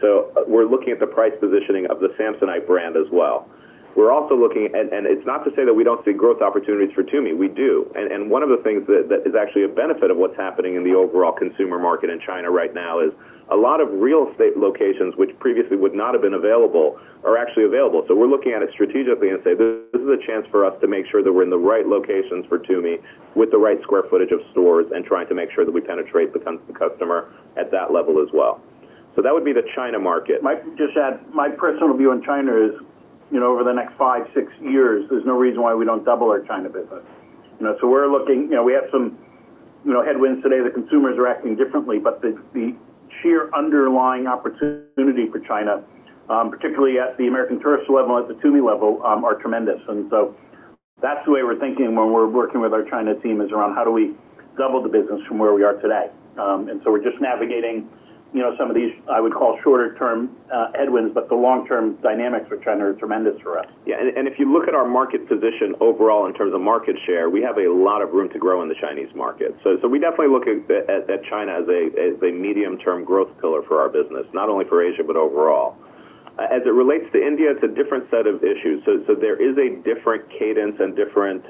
So we're looking at the price positioning of the Samsonite brand as well. We're also looking and, and it's not to say that we don't see growth opportunities for Tumi. We do. And, and one of the things that, that is actually a benefit of what's happening in the overall consumer market in China right now is a lot of real estate locations, which previously would not have been available, are actually available. So we're looking at it strategically and say, "This is a chance for us to make sure that we're in the right locations for Tumi with the right square footage of stores and trying to make sure that we penetrate the customer at that level as well." So that would be the China market. Might just add, my personal view on China is, you know, over the next five, six years, there's no reason why we don't double our China business. You know, so we're looking. You know, we have some, you know, headwinds today, the consumers are acting differently, but the sheer underlying opportunity for China, particularly at the American Tourister level and at the Tumi level, are tremendous. And so that's the way we're thinking when we're working with our China team, is around how do we double the business from where we are today? And so we're just navigating, you know, some of these, I would call, shorter-term headwinds, but the long-term dynamics for China are tremendous for us. Yeah, and if you look at our market position overall in terms of market share, we have a lot of room to grow in the Chinese market. So we definitely look at China as a medium-term growth pillar for our business, not only for Asia, but overall. As it relates to India, it's a different set of issues. So there is a different cadence and different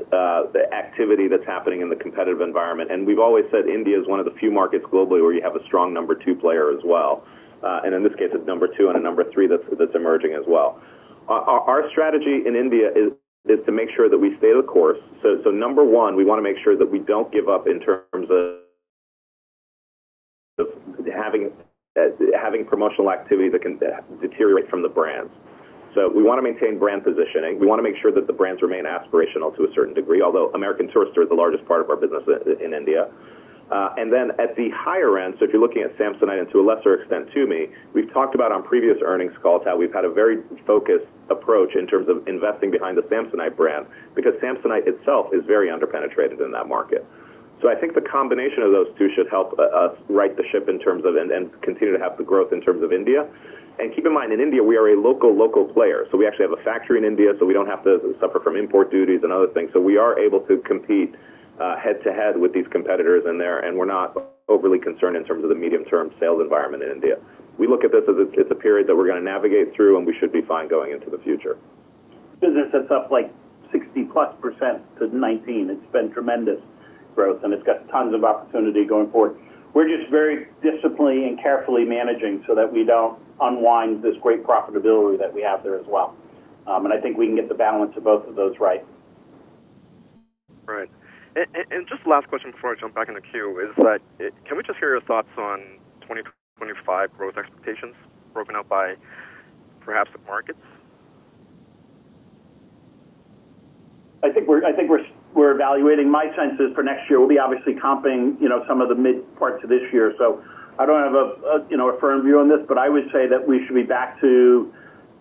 activity that's happening in the competitive environment. And we've always said India is one of the few markets globally where you have a strong number two player as well. And in this case, it's number two and a number three that's emerging as well. Our strategy in India is to make sure that we stay the course. So, number one, we want to make sure that we don't give up in terms of having promotional activity that can deteriorate from the brands. So we want to maintain brand positioning. We want to make sure that the brands remain aspirational to a certain degree, although American Tourister is the largest part of our business in India. And then at the higher end, so if you're looking at Samsonite and to a lesser extent, Tumi, we've talked about on previous earnings calls, how we've had a very focused approach in terms of investing behind the Samsonite brand, because Samsonite itself is very under-penetrated in that market. So I think the combination of those two should help us right the ship in terms of and continue to have the growth in terms of India. Keep in mind, in India, we are a local, local player, so we actually have a factory in India, so we don't have to suffer from import duties and other things. So we are able to compete, head-to-head with these competitors in there, and we're not overly concerned in terms of the medium-term sales environment in India. We look at this as it's a period that we're going to navigate through, and we should be fine going into the future. Business is up like 60%+ to 19%. It's been tremendous growth, and it's got tons of opportunity going forward. We're just very disciplined and carefully managing so that we don't unwind this great profitability that we have there as well. And I think we can get the balance of both of those right. Right. And just last question before I jump back in the queue is that, can we just hear your thoughts on 2025 growth expectations broken out by perhaps the markets? I think we're evaluating. My sense is for next year, we'll be obviously comping, you know, some of the mid parts of this year. So I don't have a, you know, a firm view on this, but I would say that we should be back to,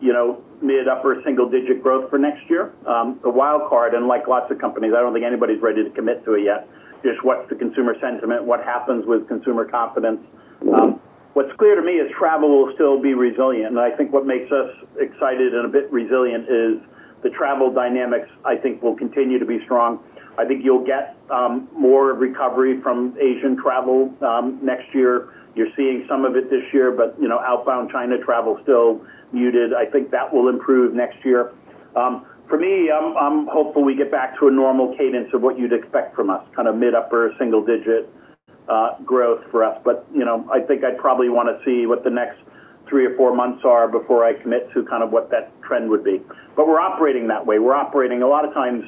you know, mid-upper single-digit growth for next year. A wild card, and like lots of companies, I don't think anybody's ready to commit to it yet. Just what's the consumer sentiment? What happens with consumer confidence? What's clear to me is travel will still be resilient, and I think what makes us excited and a bit resilient is the travel dynamics. I think will continue to be strong. I think you'll get more recovery from Asian travel next year. You're seeing some of it this year, but, you know, outbound China travel is still muted. I think that will improve next year. For me, I'm, I'm hopeful we get back to a normal cadence of what you'd expect from us, kind of mid-upper single-digit growth for us. But, you know, I think I'd probably want to see what the next three or four months are before I commit to kind of what that trend would be. But we're operating that way. We're operating a lot of times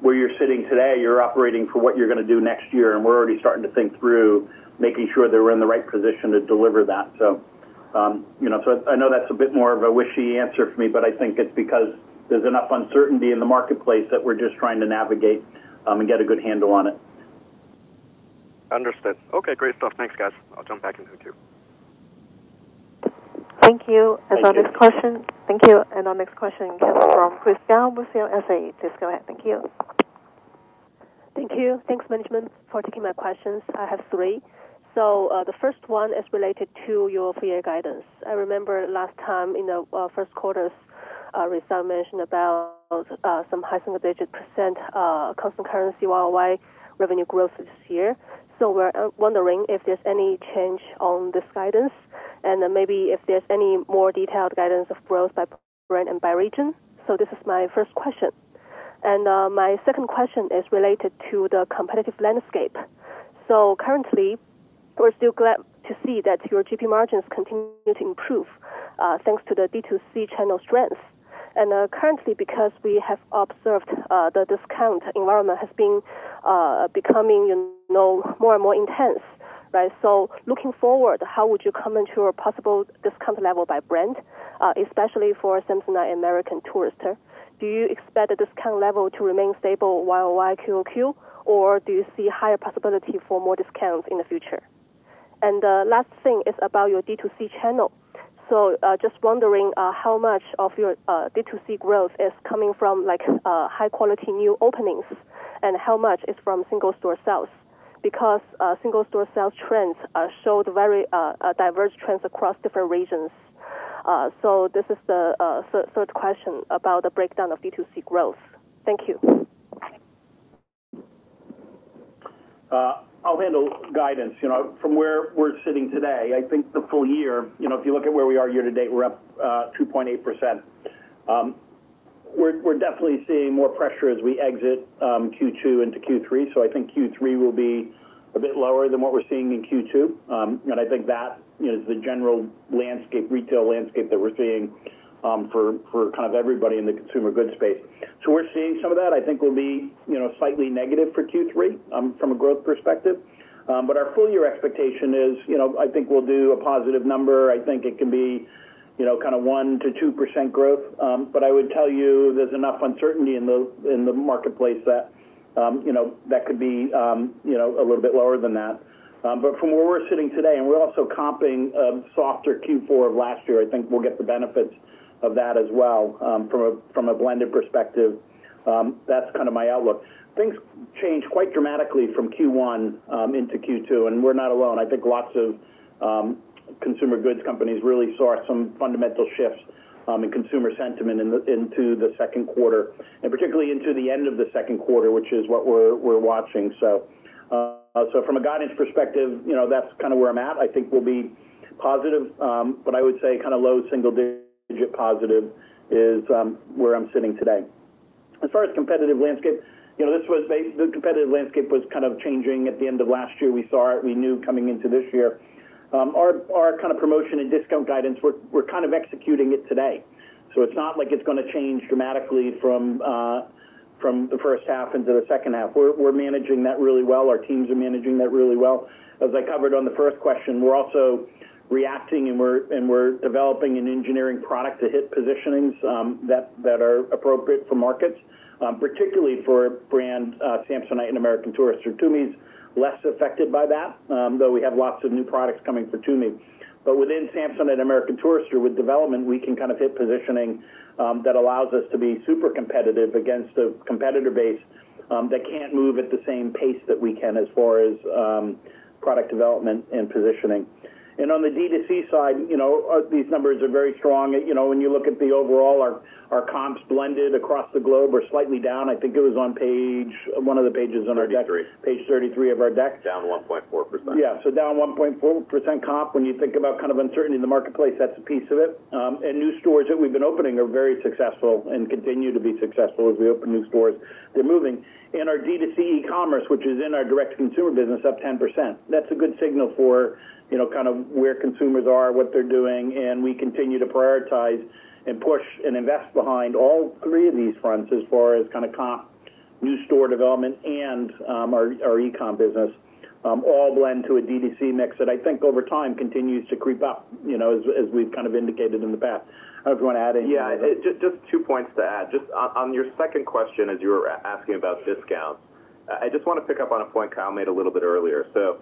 where you're sitting today, you're operating for what you're going to do next year, and we're already starting to think through making sure that we're in the right position to deliver that. So, you know, so I know that's a bit more of a wishy answer for me, but I think it's because there's enough uncertainty in the marketplace that we're just trying to navigate and get a good handle on it. Understood. Okay, great stuff. Thanks, guys. I'll jump back in the queue. Thank you. Thank you. Our next question. Thank you. Our next question comes from Chris Gao with CLSA. Please go ahead. Thank you. Thank you. Thanks, management, for taking my questions. I have three. So, the first one is related to your full-year guidance. I remember last time in the first quarter result mentioned about some high single-digit percent constant currency YoY revenue growth this year. So we're wondering if there's any change on this guidance and then maybe if there's any more detailed guidance of growth by brand and by region. So this is my first question. And, my second question is related to the competitive landscape. So currently, we're still glad to see that your GP margins continue to improve, thanks to the DTC channel strength. And, currently, because we have observed, the discount environment has been becoming, you know, more and more intense, right? So looking forward, how would you comment on a possible discount level by brand, especially for Samsonite American Tourister? Do you expect the discount level to remain stable YoY QoQ, or do you see higher possibility for more discounts in the future? And the last thing is about your DTC channel. So, just wondering, how much of your DTC growth is coming from, like, high-quality new openings and how much is from single-store sales? Because single-store sales trends showed very diverse trends across different regions. So this is the third question about the breakdown of DTC growth. Thank you. I'll handle guidance. You know, from where we're sitting today, I think the full year, you know, if you look at where we are year to date, we're up 2.8%. We're definitely seeing more pressure as we exit Q2 into Q3, so I think Q3 will be a bit lower than what we're seeing in Q2. And I think that is the general landscape, retail landscape that we're seeing for kind of everybody in the consumer goods space. So we're seeing some of that. I think we'll be, you know, slightly negative for Q3 from a growth perspective. But our full-year expectation is, you know, I think we'll do a positive number. I think it can be, you know, kind of 1%-2% growth. But I would tell you there's enough uncertainty in the, in the marketplace that, you know, that could be, you know, a little bit lower than that. But from where we're sitting today, and we're also comping, softer Q4 of last year, I think we'll get the benefits of that as well, from a, from a blended perspective. That's kind of my outlook. Things changed quite dramatically from Q1, into Q2, and we're not alone. I think lots of, consumer goods companies really saw some fundamental shifts, in consumer sentiment in, into the second quarter, and particularly into the end of the second quarter, which is what we're, we're watching. So from a guidance perspective, you know, that's kind of where I'm at. I think we'll be positive, but I would say kind of low-single-digit positive is where I'm sitting today. As far as competitive landscape, you know, this was the competitive landscape was kind of changing at the end of last year. We saw it, we knew coming into this year. Our promotion and discount guidance, we're executing it today. So it's not like it's going to change dramatically from the first half into the second half. We're managing that really well. Our teams are managing that really well. As I covered on the first question, we're also reacting and we're developing an engineering product to hit positionings that are appropriate for markets, particularly for brand Samsonite and American Tourister. Tumi's less affected by that, though we have lots of new products coming for Tumi. But within Samsonite and American Tourister, with development, we can kind of hit positioning, that allows us to be super competitive against a competitor base, that can't move at the same pace that we can as far as, product development and positioning. And on the DTC side, you know, these numbers are very strong. You know, when you look at the overall, our, our comps blended across the globe are slightly down. I think it was on page one of the pages on our deck. 33. Page 33 of our deck. Down 1.4%. Yeah, so down 1.4% comp. When you think about kind of uncertainty in the marketplace, that's a piece of it. And new stores that we've been opening are very successful and continue to be successful as we open new stores. We're moving. And our DTC e-commerce, which is in our direct consumer business, up 10%. That's a good signal for, you know, kind of where consumers are, what they're doing, and we continue to prioritize and push and invest behind all three of these fronts as far as kind of comp, new store development and, our, our e-com business, all blend to a DTC mix that I think over time continues to creep up, you know, as, as we've kind of indicated in the past. I don't know if you want to add anything? Yeah, just, just two points to add. Just on, on your second question, as you were asking about discounts, I, I just want to pick up on a point Kyle made a little bit earlier. So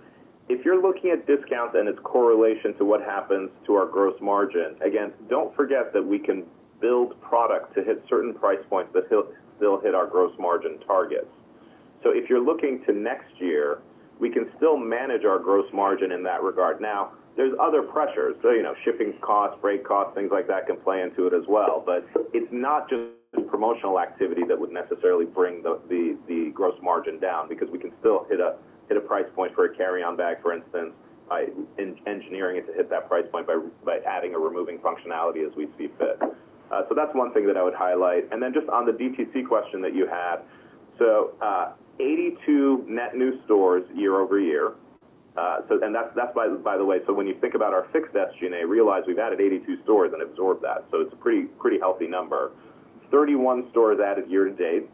if you're looking at discounts and its correlation to what happens to our gross margin, again, don't forget that we can build products that hit certain price points, but still, hit our gross margin targets. So if you're looking to next year, we can still manage our gross margin in that regard. Now, there's other pressures. So, you know, shipping costs, freight costs, things like that can play into it as well. But it's not just the promotional activity that would necessarily bring the gross margin down, because we can still hit a price point for a carry-on bag, for instance, by engineering it to hit that price point by adding or removing functionality as we see fit. So that's one thing that I would highlight. And then just on the DTC question that you had, so 82 net new stores year-over-year. So then that's by the way, so when you think about our fixed SG&A, realize we've added 82 stores and absorb that. So it's a pretty healthy number. 31 stores added year to date.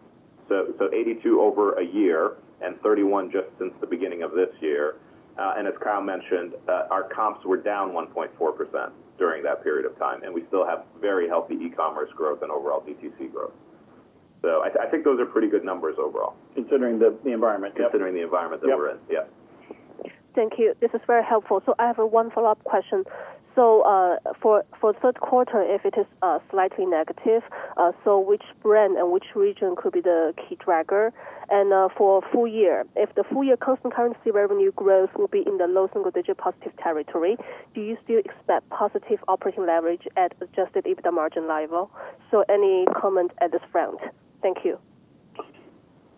So 82 over a year and 31 just since the beginning of this year. And as Kyle mentioned, our comps were down 1.4% during that period of time, and we still have very healthy e-commerce growth and overall DTC growth. So I think those are pretty good numbers overall. Considering the environment. Yep. Considering the environment that we're in. Yep. Yeah. Thank you. This is very helpful. So I have one follow-up question. So, for third quarter, if it is slightly negative, so which brand and which region could be the key tracker? And, for full year, if the full-year constant currency revenue growth will be in the low-single-digit positive territory, do you still expect positive operating leverage at Adjusted EBITDA margin level? So any comment at this front? Thank you.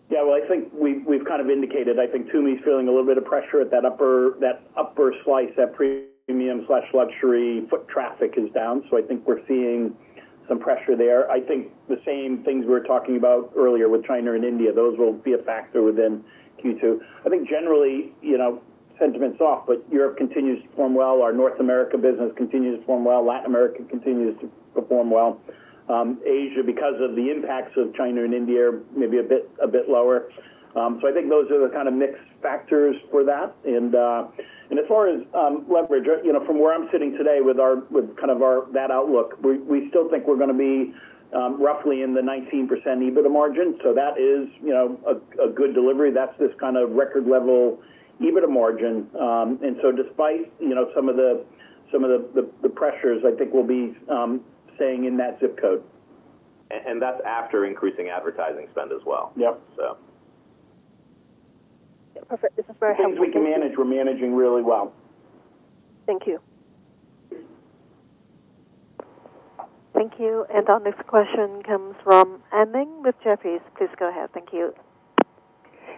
Yeah, well, I think we've kind of indicated. I think Tumi is feeling a little bit of pressure at that upper, that upper slice, that premium/luxury foot traffic is down. So I think we're seeing some pressure there. I think the same things we were talking about earlier with China and India, those will be a factor within Q2. I think generally, you know, sentiment's off, but Europe continues to perform well. Our North America business continues to perform well. Latin America continues to perform well. Asia, because of the impacts of China and India, maybe a bit lower. So I think those are the kind of mixed factors for that. As far as leverage, you know, from where I'm sitting today with our kind of outlook, we still think we're going to be roughly in the 19% EBITDA margin. So that is, you know, a good delivery. That's this kind of record level EBITDA margin. So despite, you know, some of the pressures, I think we'll be staying in that zip code. That's after increasing advertising spend as well. Yep. So. Perfect. This is very helpful. The things we can manage, we're managing really well. Thank you. Thank you. Our next question comes from Anne Ling with Jefferies. Please go ahead. Thank you.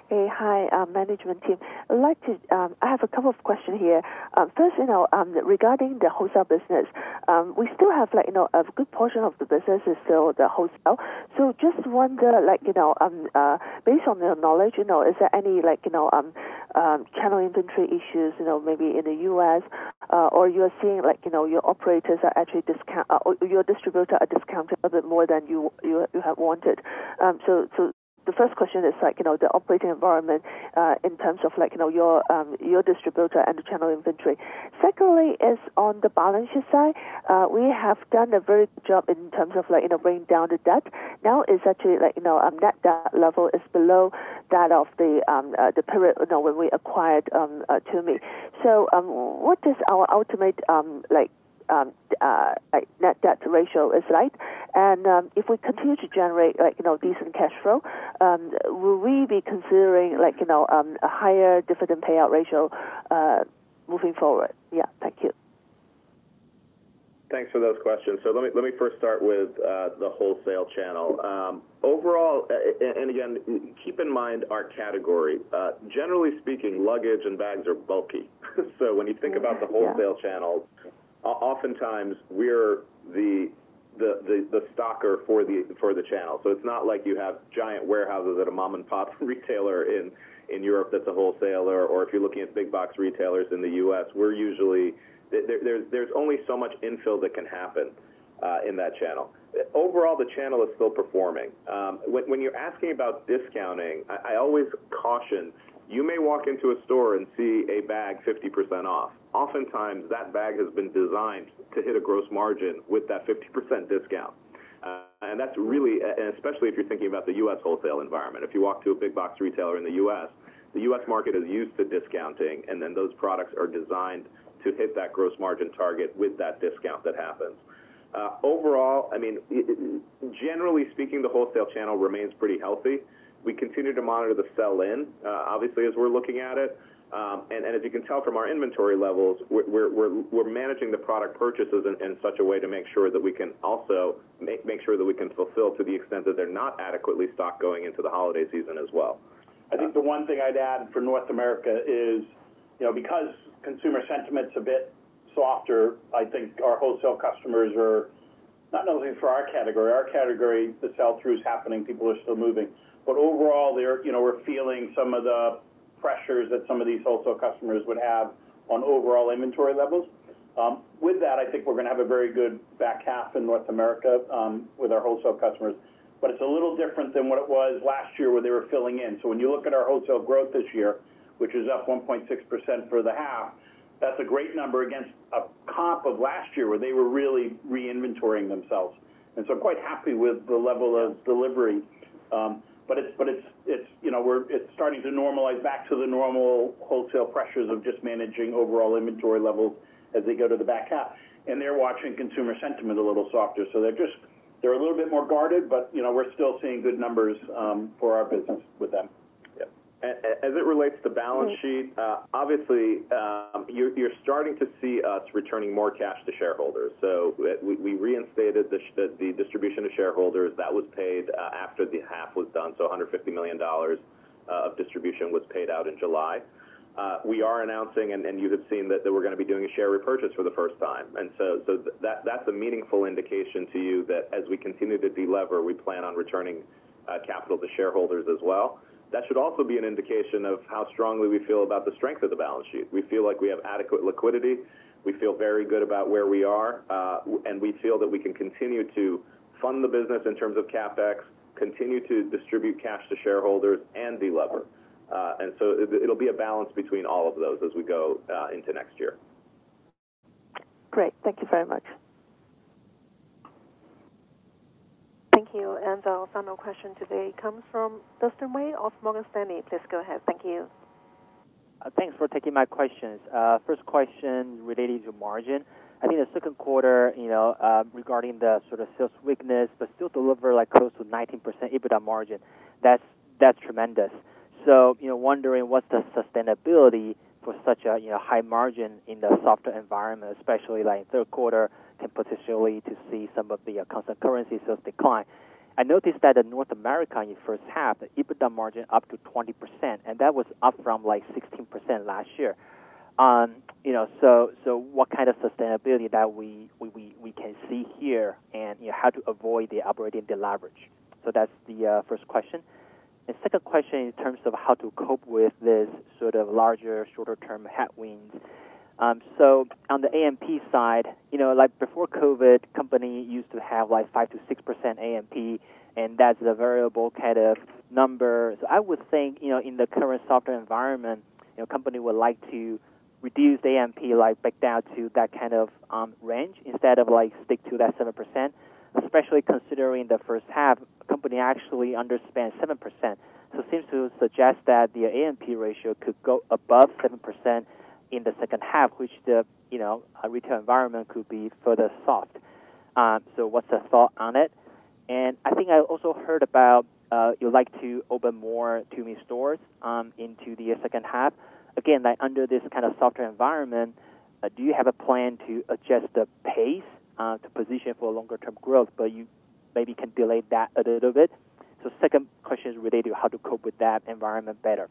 Hey. Hi, management team. I'd like to, I have a couple of questions here. First, you know, regarding the wholesale business, we still have, like, you know, a good portion of the business is still the wholesale. So just wonder, like, you know, based on your knowledge, you know, is there any, like, you know, channel inventory issues, you know, maybe in the U.S., or you are seeing, like, you know, your operators are actually discount, or your distributor are discounting a bit more than you, you have wanted? So, so the first question is, like, you know, the operating environment, in terms of, like, you know, your, your distributor and the channel inventory. Secondly, is on the balancing side, we have done a very good job in terms of, like, you know, bringing down the debt. Now is actually, like, you know, net debt level is below that of the, the period, you know, when we acquired, Tumi. So, what is our ultimate, like, net leverage ratio like? And, if we continue to generate, like, you know, decent cash flow, will we be considering, like, you know, a higher dividend payout ratio, moving forward? Yeah. Thank you. Thanks for those questions. So let me, let me first start with, the wholesale channel. Overall, and again, keep in mind our category. Generally speaking, luggage and bags are bulky. So when you think about the wholesale channels, oftentimes we're the stocker for the channel. So it's not like you have giant warehouses at a mom-and-pop retailer in Europe that's a wholesaler, or if you're looking at big box retailers in the U.S. We're usually, there's only so much infill that can happen in that channel. Overall, the channel is still performing. When you're asking about discounting, I always caution, you may walk into a store and see a bag 50% off. Oftentimes, that bag has been designed to hit a gross margin with that 50% discount. And that's really, and especially if you're thinking about the U.S. wholesale environment. If you walk to a big box retailer in the U.S., the U.S. market is used to discounting, and then those products are designed to hit that gross margin target with that discount that happens. Overall, I mean, generally speaking, the wholesale channel remains pretty healthy. We continue to monitor the sell-in, obviously, as we're looking at it. And as you can tell from our inventory levels, we're managing the product purchases in such a way to make sure that we can also make sure that we can fulfill to the extent that they're not adequately stocked going into the holiday season as well. I think the one thing I'd add for North America is, you know, because consumer sentiment is a bit softer, I think our wholesale customers are not only for our category. Our category, the sell-through is happening, people are still moving. But overall, they're, you know, we're feeling some of the pressures that some of these wholesale customers would have on overall inventory levels. With that, I think we're going to have a very good back half in North America with our wholesale customers, but it's a little different than what it was last year when they were filling in. So when you look at our wholesale growth this year, which is up 1.6% for the half, that's a great number against a comp of last year, where they were really re-inventorying themselves. And so I'm quite happy with the level of delivery. But it's starting to normalize back to the normal wholesale pressures of just managing overall inventory levels as they go to the back half. And they're watching consumer sentiment a little softer. So they're just a little bit more guarded, but you know, we're still seeing good numbers for our business with them. Yeah. As it relates to the balance sheet, obviously, you're starting to see us returning more cash to shareholders. So we reinstated the distribution to shareholders that was paid after the half was done. So $150 million of distribution was paid out in July. We are announcing, and you have seen that, we're going to be doing a share repurchase for the first time. And so that's a meaningful indication to you that as we continue to delever, we plan on returning capital to shareholders as well. That should also be an indication of how strongly we feel about the strength of the balance sheet. We feel like we have adequate liquidity, we feel very good about where we are, and we feel that we can continue to fund the business in terms of CapEx, continue to distribute cash to shareholders and delever. And so it, it'll be a balance between all of those as we go into next year. Great. Thank you very much. Thank you. And our final question today comes from Dustin Wei of Morgan Stanley. Please go ahead. Thank you. Thanks for taking my questions. First question relating to margin. I think the second quarter, you know, regarding the sort of sales weakness, but still deliver, like, close to 19% EBITDA margin, that's, that's tremendous. So, you know, wondering what the sustainability for such a, you know, high margin in the softer environment, especially like third quarter, and potentially to see some of the, constant currency of decline. I noticed that in North America, in the first half, the EBITDA margin up to 20%, and that was up from, like, 16% last year. You know, so, so what kind of sustainability that we, we, we can see here, and, you know, how to avoid the operating deleverage? So that's the first question. The second question in terms of how to cope with this sort of larger, shorter-term headwind. So on the A&P side, you know, like before COVID, company used to have, like, 5%-6% A&P, and that's a variable kind of number. I would think, you know, in the current softer environment, you know, company would like to reduce A&P, like, back down to that kind of range instead of, like, stick to that 7%, especially considering the first half, company actually underspent 7%. So seems to suggest that the A&P ratio could go above 7% in the second half, which the, you know, retail environment could be further soft. So what's the thought on it? And I think I also heard about, you'd like to open more Tumi stores into the second half. Again, under this kind of softer environment, do you have a plan to adjust the pace, to position for longer-term growth, but you maybe can delay that a little bit? So second question is related to how to cope with that environment better.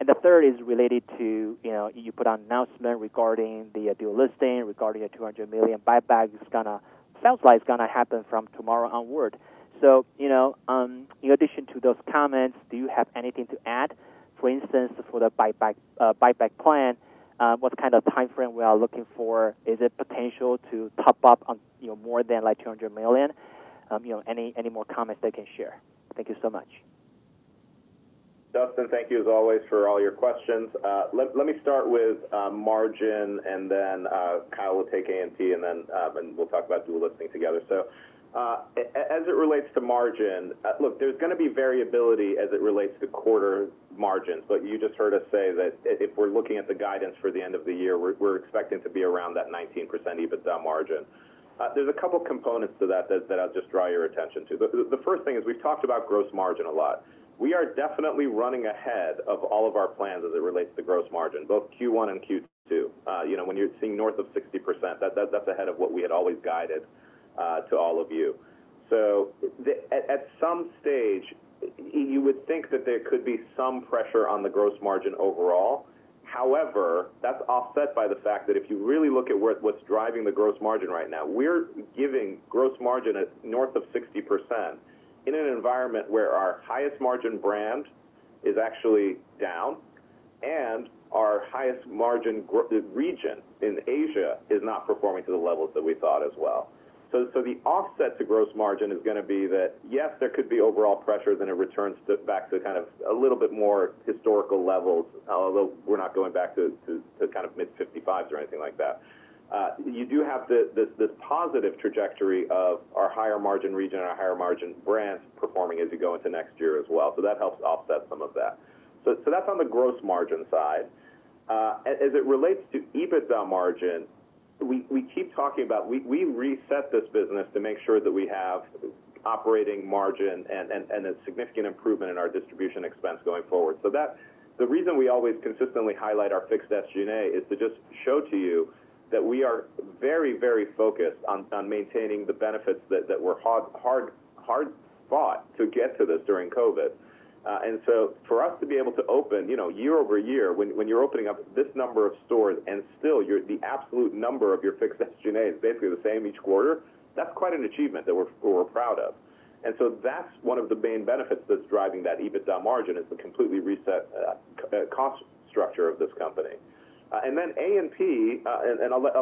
And the third is related to, you know, you put out an announcement regarding the dual listing, regarding a $200 million buyback. It's gonna sounds like it's gonna happen from tomorrow onward. So, you know, in addition to those comments, do you have anything to add? For instance, for the buyback, buyback plan, what kind of timeframe we are looking for? Is it potential to pop up on, you know, more than, like, $200 million? You know, any more comments they can share? Thank you so much. Dustin, thank you as always for all your questions. Let me start with margin, and then Kyle will take A&P, and then we'll talk about dual listing together. So, as it relates to margin, look, there's going to be variability as it relates to quarter margins, but you just heard us say that if we're looking at the guidance for the end of the year, we're expecting to be around that 19% EBITDA margin. There's a couple of components to that that I'll just draw your attention to. The first thing is, we've talked about gross margin a lot. We are definitely running ahead of all of our plans as it relates to gross margin, both Q1 and Q2. You know, when you're seeing north of 60%, that's ahead of what we had always guided to all of you. So at some stage, you would think that there could be some pressure on the gross margin overall. However, that's offset by the fact that if you really look at what's driving the gross margin right now, we're giving gross margin at north of 60% in an environment where our highest margin brand is actually down, and our highest margin region in Asia is not performing to the levels that we thought as well. So the offset to gross margin is going to be that, yes, there could be overall pressure, then it returns back to kind of a little bit more historical levels, although we're not going back to kind of mid-55%s or anything like that. You do have the positive trajectory of our higher margin region and our higher margin brands performing as you go into next year as well. So that helps offset some of that. So that's on the gross margin side. As it relates to EBITDA margin, we keep talking about, we reset this business to make sure that we have operating margin and a significant improvement in our distribution expense going forward. So that, the reason we always consistently highlight our fixed SG&A is to just show to you that we are very, very focused on maintaining the benefits that were hard fought to get to this during COVID. And so for us to be able to open, you know, year-over-year, when you're opening up this number of stores and still your, the absolute number of your fixed SG&A is basically the same each quarter, that's quite an achievement that we're proud of. And so that's one of the main benefits that's driving that EBITDA margin, is the completely reset cost structure of this company. And then A&P, and I'll let.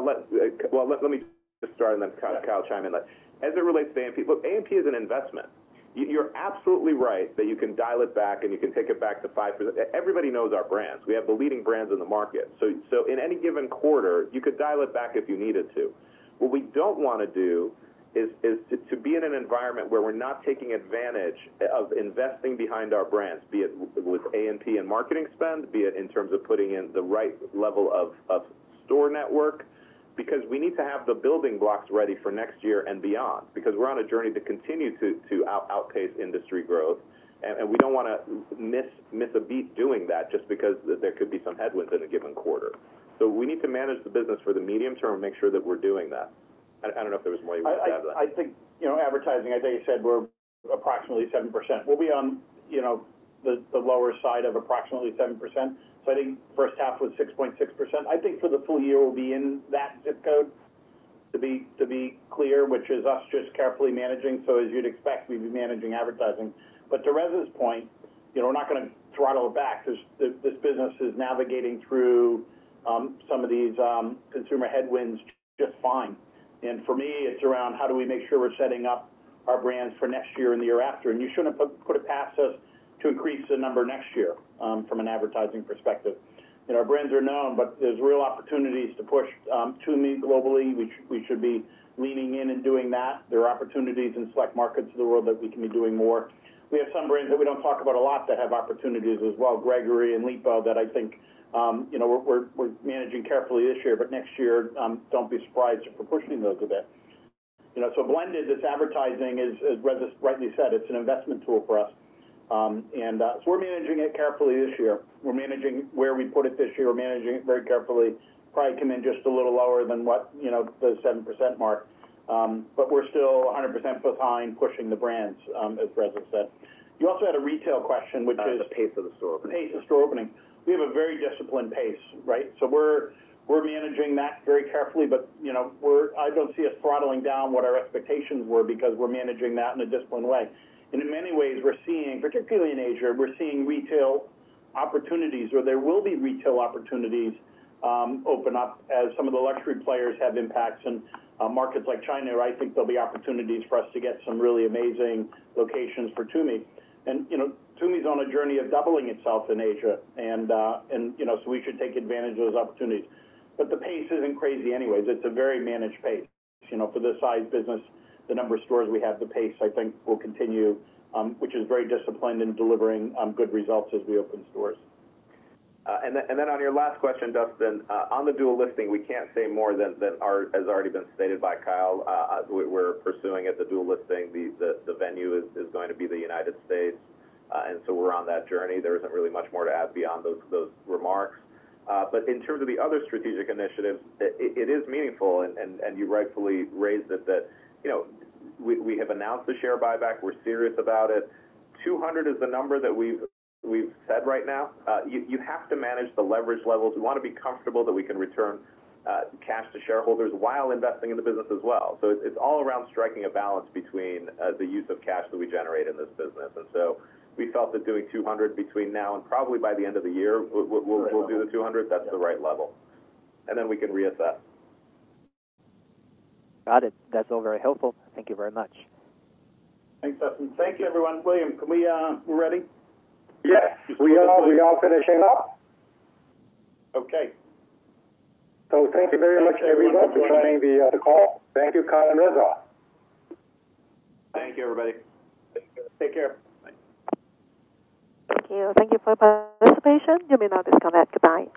Well, let me just start and then kind of Kyle chime in. As it relates to A&P, look, A&P is an investment. You're absolutely right that you can dial it back, and you can take it back to 5%. Everybody knows our brands. We have the leading brands in the market. So in any given quarter, you could dial it back if you needed to. What we don't want to do is to be in an environment where we're not taking advantage of investing behind our brands, be it with A&P and marketing spend, be it in terms of putting in the right level of store network, because we need to have the building blocks ready for next year and beyond. Because we're on a journey to continue to outpace industry growth, and we don't want to miss a beat doing that just because there could be some headwinds in a given quarter. So we need to manage the business for the medium term and make sure that we're doing that. I don't know if there was more you wanted to add to that. I think, you know, advertising, as I said, we're approximately 7%. We'll be on, you know, the lower side of approximately 7%. So I think first half was 6.6%. I think for the full year, we'll be in that zip code, to be clear, which is us just carefully managing. So as you'd expect, we'd be managing advertising. But to Reza's point, you know, we're not going to throttle it back because this business is navigating through some of these consumer headwinds just fine. And for me, it's around how do we make sure we're setting up our brands for next year and the year after? And you shouldn't put it past us to increase the number next year from an advertising perspective. You know, our brands are known, but there's real opportunities to push Tumi globally. We, we should be leaning in and doing that. There are opportunities in select markets of the world that we can be doing more. We have some brands that we don't talk about a lot that have opportunities as well, Gregory and Lipault, that I think you know, we're, we're managing carefully this year, but next year don't be surprised if we're pushing those a bit. You know, so blended, this advertising is, as Reza rightly said, it's an investment tool for us. And so we're managing it carefully this year. We're managing where we put it this year, we're managing it very carefully. Probably come in just a little lower than what you know, the 7% mark. But we're still 100% behind pushing the brands, as Reza said. You also had a retail question, which is- The pace of the store openings. The pace of store opening. We have a very disciplined pace, right? So we're managing that very carefully, but, you know, I don't see us throttling down what our expectations were because we're managing that in a disciplined way. And in many ways, we're seeing, particularly in Asia, we're seeing retail opportunities, where there will be retail opportunities, open up as some of the luxury players have impacts in, markets like China, where I think there'll be opportunities for us to get some really amazing locations for Tumi. And, you know, Tumi's on a journey of doubling itself in Asia, and, you know, so we should take advantage of those opportunities. But the pace isn't crazy anyways. It's a very managed pace. You know, for this size business, the number of stores we have, the pace, I think, will continue, which is very disciplined in delivering, good results as we open stores. And then on your last question, Dustin, on the dual listing, we can't say more than ours has already been stated by Kyle. We're pursuing it, the dual listing. The venue is going to be the United States, and so we're on that journey. There isn't really much more to add beyond those remarks. But in terms of the other strategic initiatives, it is meaningful, and you rightfully raised it, that you know, we have announced the share buyback. We're serious about it. $200 million is the number that we've said right now. You have to manage the leverage levels. We want to be comfortable that we can return cash to shareholders while investing in the business as well. So it's all around striking a balance between the use of cash that we generate in this business. So we felt that doing $200 million between now and probably by the end of the year, we'll do the $200 million. That's the right level. And then we can reassess. Got it. That's all very helpful. Thank you very much. Thanks, Dustin. Thank you, everyone. William, can we? We're ready? Yes, we are. We are finishing up. Okay. Thank you very much, everyone, for joining the call. Thank you, Kyle and Reza. Thank you, everybody. Take care. Bye. Thank you. Thank you for participation. You may now disconnect. Goodbye.